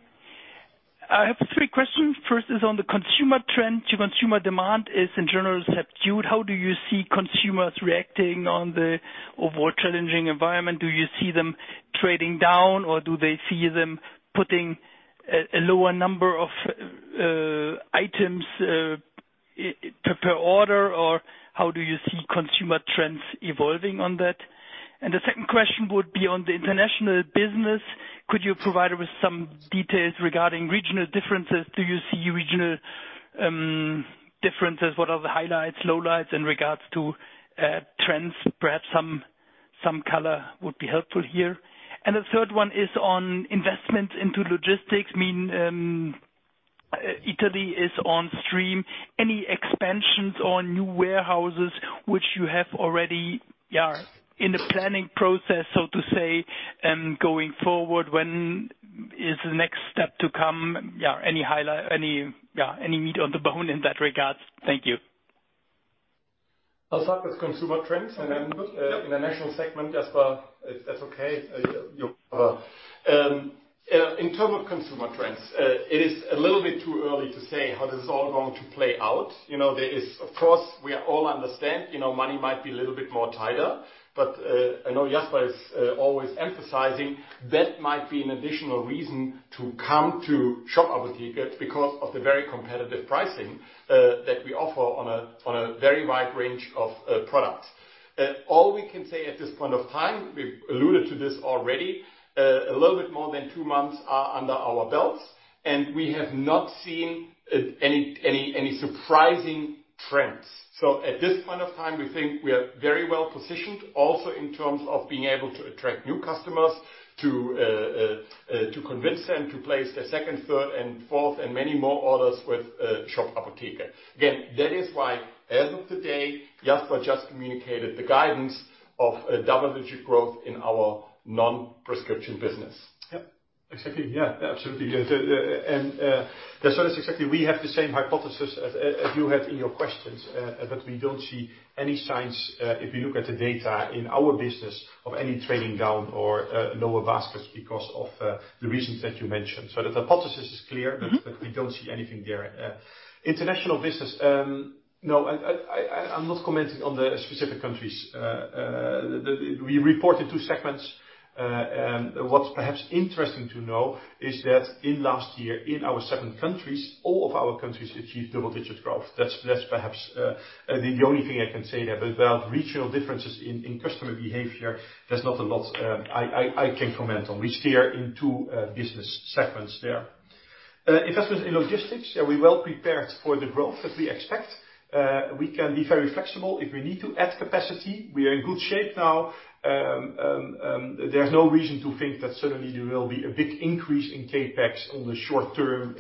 I have three questions. First is on the consumer trend. Consumer demand is in general subdued. How do you see consumers reacting on the overall challenging environment? Do you see them trading down, or do they see them putting a lower number of items per order, or how do you see consumer trends evolving on that? The second question would be on the international business. Could you provide us some details regarding regional differences? Do you see regional differences? What are the highlights, lowlights in regards to trends? Perhaps some color would be helpful here. The 3rd one is on investment into logistics. I mean, Italy is on stream. Any expansions or new warehouses which you have already, yeah, in the planning process, so to say, going forward? When is the next step to come? Any meat on the bone in that regards? Thank you.
I'll start with consumer trends, international segment, Jasper, if that's okay. In terms of consumer trends, it is a little bit too early to say how this is all going to play out. You know, there is, of course, we all understand, you know, money might be a little bit more tighter. I know Jasper is always emphasizing that might be an additional reason to come to Shop Apotheke because of the very competitive pricing that we offer on a very wide range of products. All we can say at this point of time, we've alluded to this already, a little bit more than two months are under our belts, we have not seen any surprising trends. At this point of time, we think we are very well-positioned, also in terms of being able to attract new customers to convince them to place their second, third, and fourth and many more orders with Shop Apotheke. That is why as of today, Jasper just communicated the guidance of a double-digit growth in our non-prescription business.
Yeah. Exactly, yeah. Absolutely. That's exactly, we have the same hypothesis as you had in your questions, that we don't see any signs, if you look at the data in our business, of any trending down or lower baskets because of the reasons that you mentioned. The hypothesis is clear. We don't see anything there. International business, no, I'm not commenting on the specific countries. We report in two segments. What's perhaps interesting to know is that in last year, in our seven countries, all of our countries achieved double-digit growth. That's perhaps the only thing I can say there. Without regional differences in customer behavior, there's not a lot I can comment on. We steer in two business segments there. Investment in logistics, are we well prepared for the growth that we expect? We can be very flexible if we need to add capacity. We are in good shape now. There's no reason to think that suddenly there will be a big increase in CapEx on the short-term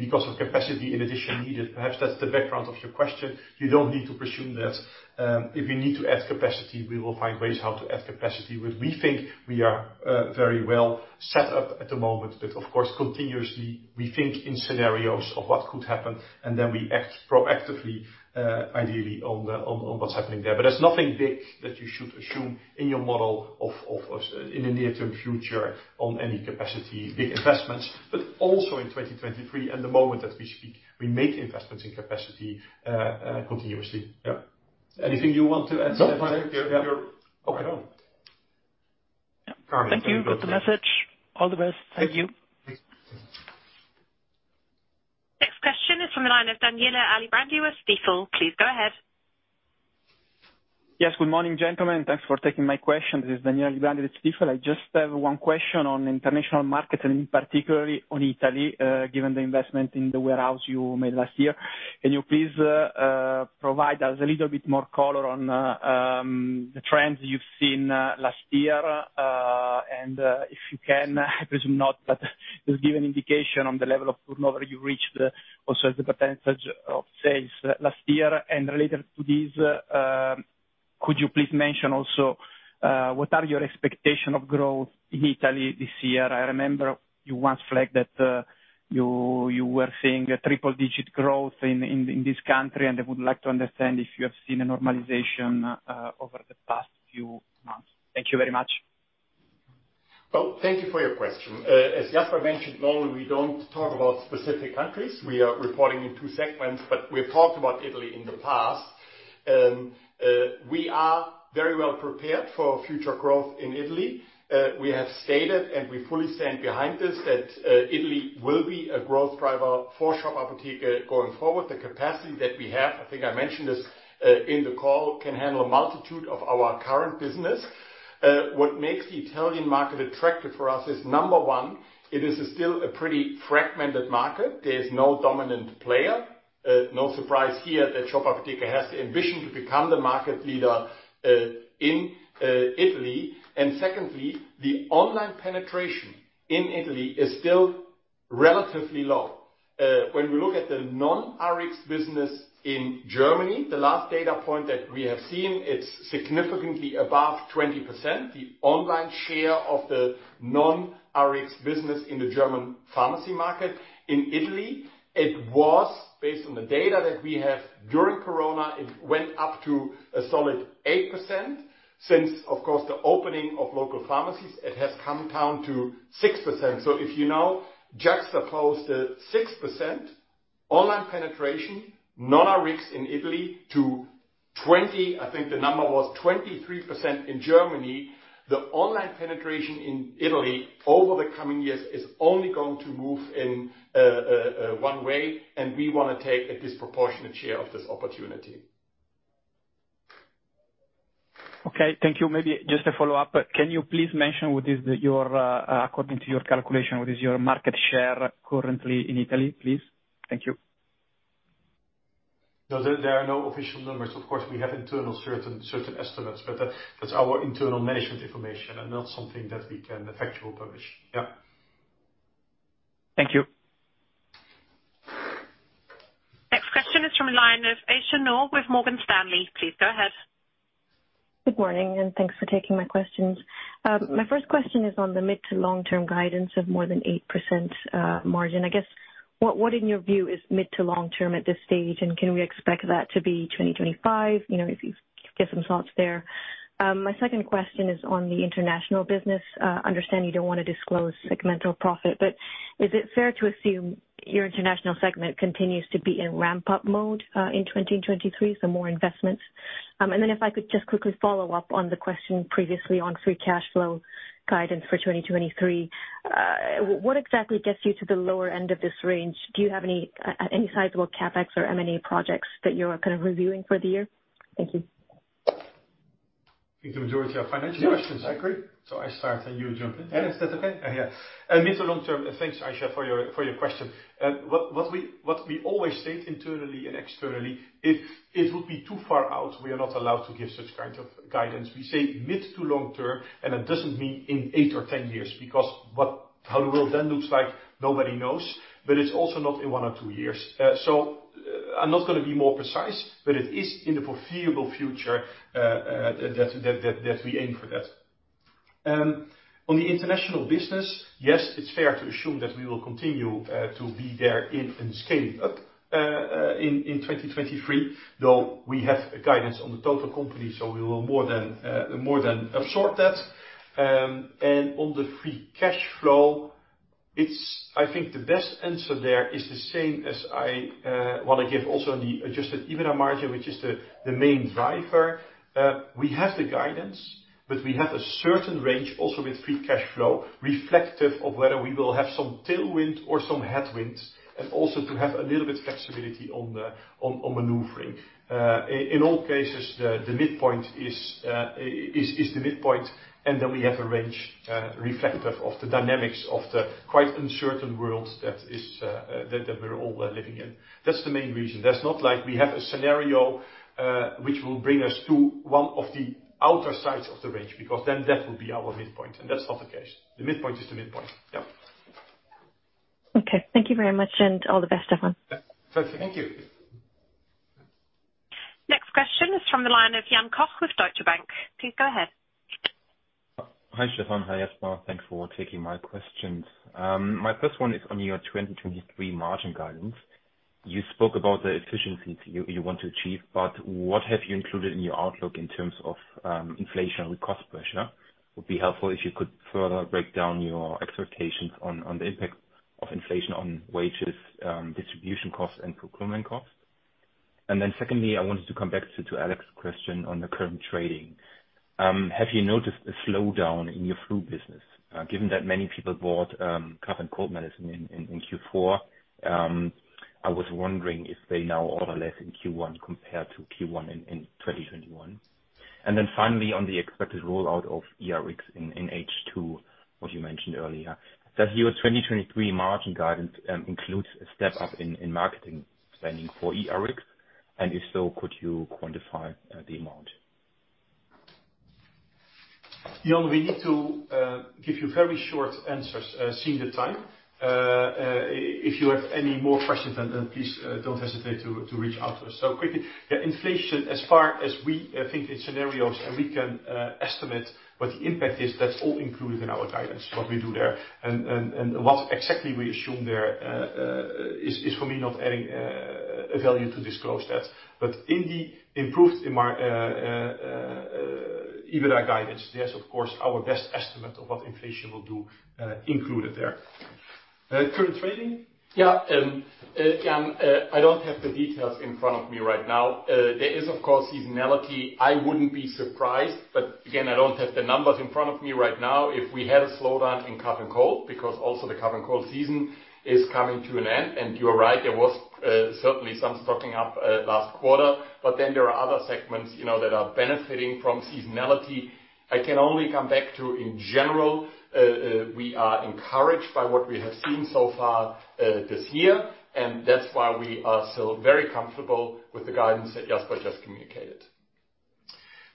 because of capacity in addition needed. Perhaps that's the background of your question. You don't need to presume that. If we need to add capacity, we will find ways how to add capacity. We think we are very well set up at the moment. Of course, continuously, we think in scenarios of what could happen, and then we act proactively, ideally on what's happening there. There's nothing big that you should assume in your model in the near-term future on any capacity, big investments, but also in 2023 and the moment that we speak, we make investments in capacity continuously. Anything you want to add, Stefan?
No.
Yeah. Okay.
Thank you. Got the message. All the best. Thank you.
Thanks.
Next question is from the line of Daniel Grande with Stifel. Please go ahead.
Yes. Good morning, gentlemen. Thanks for taking my question. This is Daniel Grande, with Stifel. I just have one question on international markets, and particularly on Italy, given the investment in the warehouse you made last year. Can you please provide us a little bit more color on the trends you've seen last year? If you can, I presume not, but just give an indication on the level of turnover you reached also as a % of sales last year. Related to this, could you please mention also what are your expectation of growth in Italy this year? I remember you once flagged that you were seeing a triple-digit growth in this country, and I would like to understand if you have seen a normalization over the past few months. Thank you very much.
Well, thank you for your question. As Jasper mentioned, normally, we don't talk about specific countries. We are reporting in two segments, but we've talked about Italy in the past. We are very well prepared for future growth in Italy. We have stated, and we fully stand behind this, that Italy will be a growth driver for Shop Apotheke going forward. The capacity that we have, I think I mentioned this in the call, can handle a multitude of our current business. What makes the Italian market attractive for us is, number one, it is still a pretty fragmented market. There is no dominant player. No surprise here that Shop Apotheke has the ambition to become the market leader in Italy. Secondly, the online penetration in Italy is still relatively low. When we look at the non-RX business in Germany, the last data point that we have seen, it's significantly above 20%, the online share of the non-RX business in the German pharmacy market. In Italy, it was based on the data that we have during Corona, it went up to a solid 8%. Since, of course, the opening of local pharmacies, it has come down to 6%. If you now juxtapose the 6% online penetration non-RX in Italy to 23% in Germany. The online penetration in Italy over the coming years is only going to move in one way, and we wanna take a disproportionate share of this opportunity.
Okay. Thank you. Maybe just a follow-up. Can you please mention what is your, according to your calculation, what is your market share currently in Italy, please? Thank you.
No, there are no official numbers. Of course, we have internal certain estimates, but that's our internal management information and not something that we can actually publish. Yeah.
Thank you.
Next question is from the line of Aisyah Noor with Morgan Stanley. Please go ahead.
Good morning. Thanks for taking my questions. My first question is on the mid to long-term guidance of more than 8% margin. I guess, what in your view is mid to long-term at this stage? Can we expect that to be 2025? You know, if you could give some thoughts there. My second question is on the international business. Understand you don't wanna disclose segmental profit. Is it fair to assume your international segment continues to be in ramp-up mode in 2023, more investments? If I could just quickly follow up on the question previously on free cash flow guidance for 2023. What exactly gets you to the lower end of this range? Do you have any sizable CapEx or M&A projects that you're kind of reviewing for the year? Thank you.
I think the majority are financial questions.
Yes.
I agree, I start, and you jump in.
Yes. Is that okay?
Yeah. Mid to long-term, thanks, Aisyah, for your question. What we always state internally and externally, if it would be too far out, we are not allowed to give such kind of guidance. We say mid to long-term, and it doesn't mean in 8 or 10 years, because how the world then looks like, nobody knows, but it's also not in 1 or 2 years. So I'm not gonna be more precise, but it is in the foreseeable future that we aim for that. On the international business, yes, it's fair to assume that we will continue to be there in scaling up in 2023, though we have a guidance on the total company, so we will more than absorb that. On the free cash flow, it's, I think the best answer there is the same as I wanna give also on the adjusted EBITDA margin, which is the main driver. We have the guidance, but we have a certain range also with free cash flow reflective of whether we will have some tailwind or some headwinds, and also to have a little bit of flexibility on maneuvering. In all cases, the midpoint is the midpoint, and then we have a range reflective of the dynamics of the quite uncertain world that is that we're all living in. That's the main reason. That's not like we have a scenario, which will bring us to one of the outer sides of the range, because then that will be our midpoint, and that's not the case. The midpoint is the midpoint. Yeah.
Okay. Thank you very much and all the best, Stefan.
Thank you.
Next question is from the line of Jan Koch with Deutsche Bank. Please go ahead.
Hi, Stefan. Hi, Jasper. Thanks for taking my questions. My first one is on your 2023 margin guidance. You spoke about the efficiencies you want to achieve, but what have you included in your outlook in terms of inflation cost pressure? Would be helpful if you could further break down your expectations on the impact of inflation on wages, distribution costs and procurement costs. Secondly, I wanted to come back to Alex's question on the current trading. Have you noticed a slowdown in your flu business? Given that many people bought cough and cold medicine in Q4, I was wondering if they now order less in Q1 compared to Q1 in 2021. Finally, on the expected rollout of ERX in H2, what you mentioned earlier. Does your 2023 margin guidance includes a step up in marketing spending for ERX? If so, could you quantify the amount?
Jan, we need to give you very short answers, seeing the time. If you have any more questions, then please don't hesitate to reach out to us. Quickly, yeah, inflation, as far as we think in scenarios and we can estimate what the impact is, that's all included in our guidance, what we do there. What exactly we assume there is for me not adding a value to disclose that. In the improved EBITDA guidance, yes, of course, our best estimate of what inflation will do, included there. Current trading? Yeah. Jan, I don't have the details in front of me right now. There is, of course, seasonality. I wouldn't be surprised, but again, I don't have the numbers in front of me right now. If we had a slowdown in cough and cold, because also the cough and cold season is coming to an end, and you are right, there was certainly some stocking up last quarter. There are other segments, you know, that are benefiting from seasonality. I can only come back to, in general, we are encouraged by what we have seen so far this year, and that's why we are still very comfortable with the guidance that Jasper just communicated.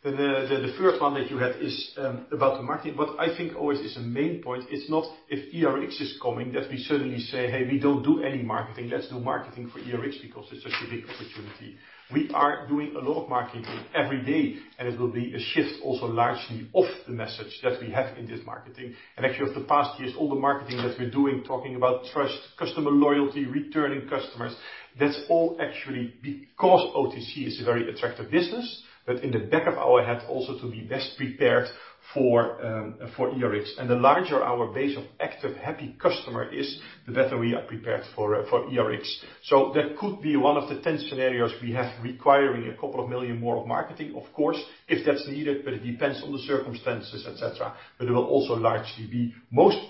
The first one that you had is about the marketing. What I think always is a main point, it's not if ERX is coming, that we suddenly say, "Hey, we don't do any marketing. Let's do marketing for ERX because it's such a big opportunity." We are doing a lot of marketing every day, and it will be a shift also largely of the message that we have in this marketing. Actually, over the past years, all the marketing that we're doing, talking about trust, customer loyalty, returning customers, that's all actually because OTC is a very attractive business, but in the back of our head also to be best prepared for ERX. The larger our base of active, happy customer is, the better we are prepared for ERX. That could be one of the 10 scenarios we have requiring 2 million more of marketing, of course, if that's needed, but it depends on the circumstances, et cetera. It will also largely be, most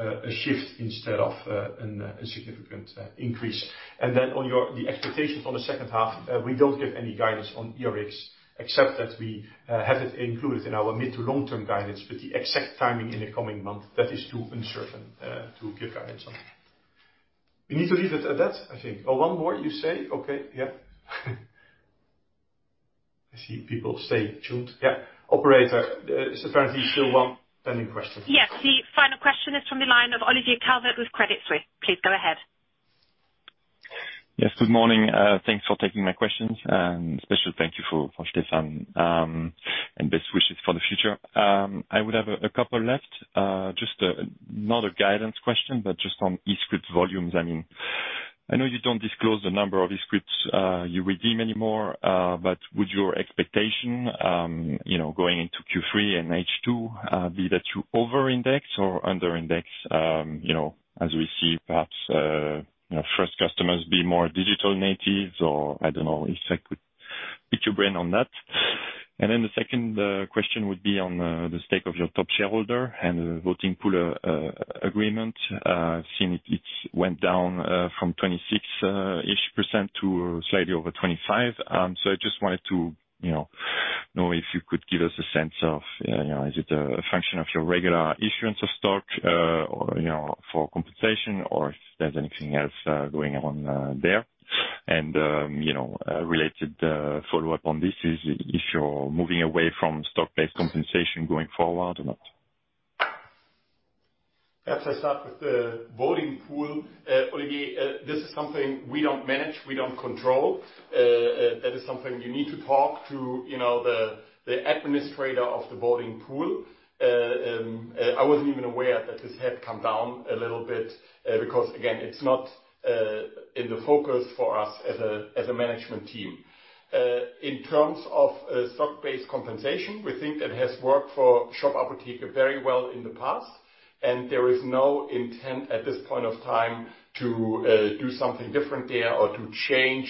probably, a shift instead of a significant increase. On the expectations on the second half, we don't give any guidance on ERX, except that we have it included in our mid to long-term guidance. The exact timing in the coming month, that is too uncertain to give guidance on. We need to leave it at that, I think. Oh, one more you say? Okay. Yeah. I see people stay tuned. Yeah. Operator, is there still one pending question?
Yes. The final question is from the line of Olivier Calvet with Credit Suisse. Please go ahead.
Yes, good morning. Thanks for taking my questions, and special thank you for Stefan. Best wishes for the future. I would have a couple left. Just not a guidance question, but just on eScript volumes. I mean, I know you don't disclose the number of eScripts you redeem anymore, but would your expectation, you know, going into Q3 and H2, be that you over index or under index, you know, as we see perhaps, you know, first customers be more digital natives or I don't know if I could pick your brain on that. Then the second question would be on the stake of your top shareholder and voting pool agreement. I've seen it. It went down from 26% ish to slightly over 25. I just wanted to, you know if you could give us a sense of, you know, is it a function of your regular issuance of stock, you know, for compensation or if there's anything else going on there. You know, related follow-up on this is if you're moving away from stock-based compensation going forward or not.
Perhaps I start with the voting pool. Olivier, this is something we don't manage, we don't control. That is something you need to talk to, you know, the administrator of the voting pool. I wasn't even aware that this had come down a little bit, because again, it's not in the focus for us as a management team. In terms of stock-based compensation, we think that has worked for Shop Apotheke very well in the past, and there is no intent at this point of time to do something different there or to change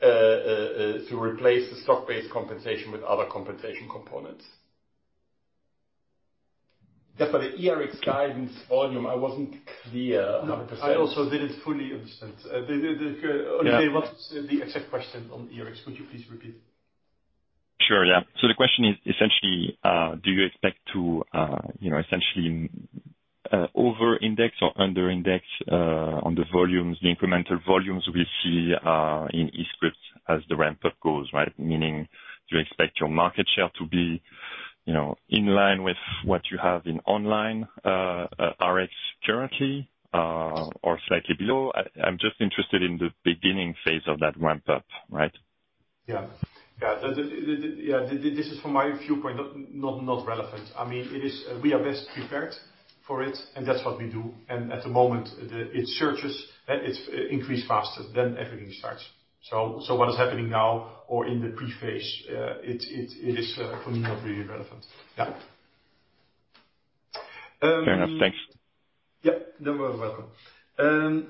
to replace the stock-based compensation with other compensation components. Jasper, the ERX guidance volume, I wasn't clear 100%.
I also didn't fully understand. The Olivier, what's the exact question on ERX? Could you please repeat?
Sure, yeah. The question is essentially, do you expect to, you know, essentially, over index or under index, on the volumes, the incremental volumes we see, in eScript as the ramp-up goes, right? Meaning, do you expect your market share to be, you know, in line with what you have in online, RX currently, or slightly below? I'm just interested in the beginning phase of that ramp-up, right?
Yeah. Yeah. This is from my viewpoint, not relevant. I mean, it is. We are best prepared for it and that's what we do. At the moment, the. It surges, it's increased faster than everything starts. What is happening now or in the pre-phase, it is for me, not really relevant. Yeah.
Fair enough. Thanks.
Yeah. You're welcome. I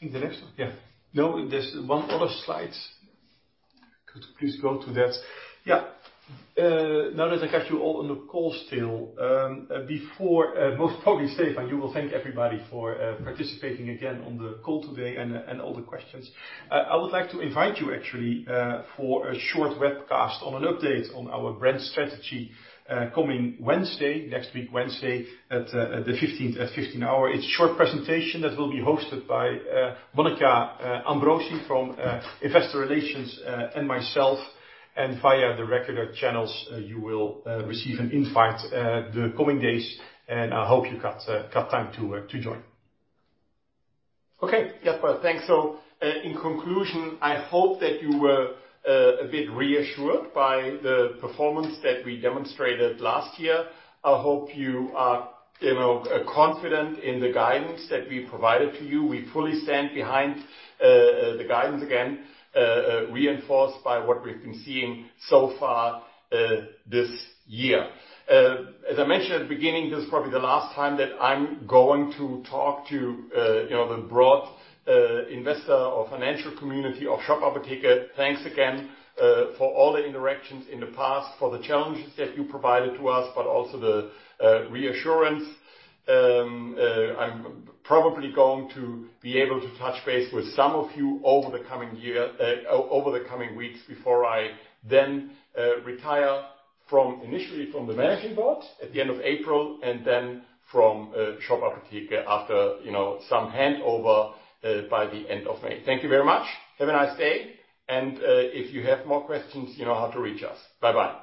think the next one.
Yeah. No, there's one other slide. Could you please go to that? Yeah. Now that I got you all on the call still, before most probably Stefan, you will thank everybody for participating again on the call today and all the questions. I would like to invite you actually for a short webcast on an update on our brand strategy coming Wednesday, next week, Wednesday at 15:00. It's a short presentation that will be hosted by Monica Ambrosi from Investor Relations and myself. Via the regular channels, you will receive an invite the coming days, and I hope you got time to join.
Okay. Jasper, thanks. In conclusion, I hope that you were a bit reassured by the performance that we demonstrated last year. I hope you are, you know, confident in the guidance that we provided to you. We fully stand behind the guidance again, reinforced by what we've been seeing so far this year. As I mentioned at the beginning, this is probably the last time that I'm going to talk to, you know, the broad investor or financial community of Shop Apotheke. Thanks again, for all the interactions in the past, for the challenges that you provided to us, but also the reassurance. I'm probably going to be able to touch base with some of you over the coming weeks before I then retire from initially from the management board at the end of April and then from Shop Apotheke after, you know, some handover by the end of May. Thank you very much. Have a nice day. If you have more questions, you know how to reach us. Bye-bye.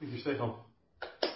Thank you, Stefan.
Yeah.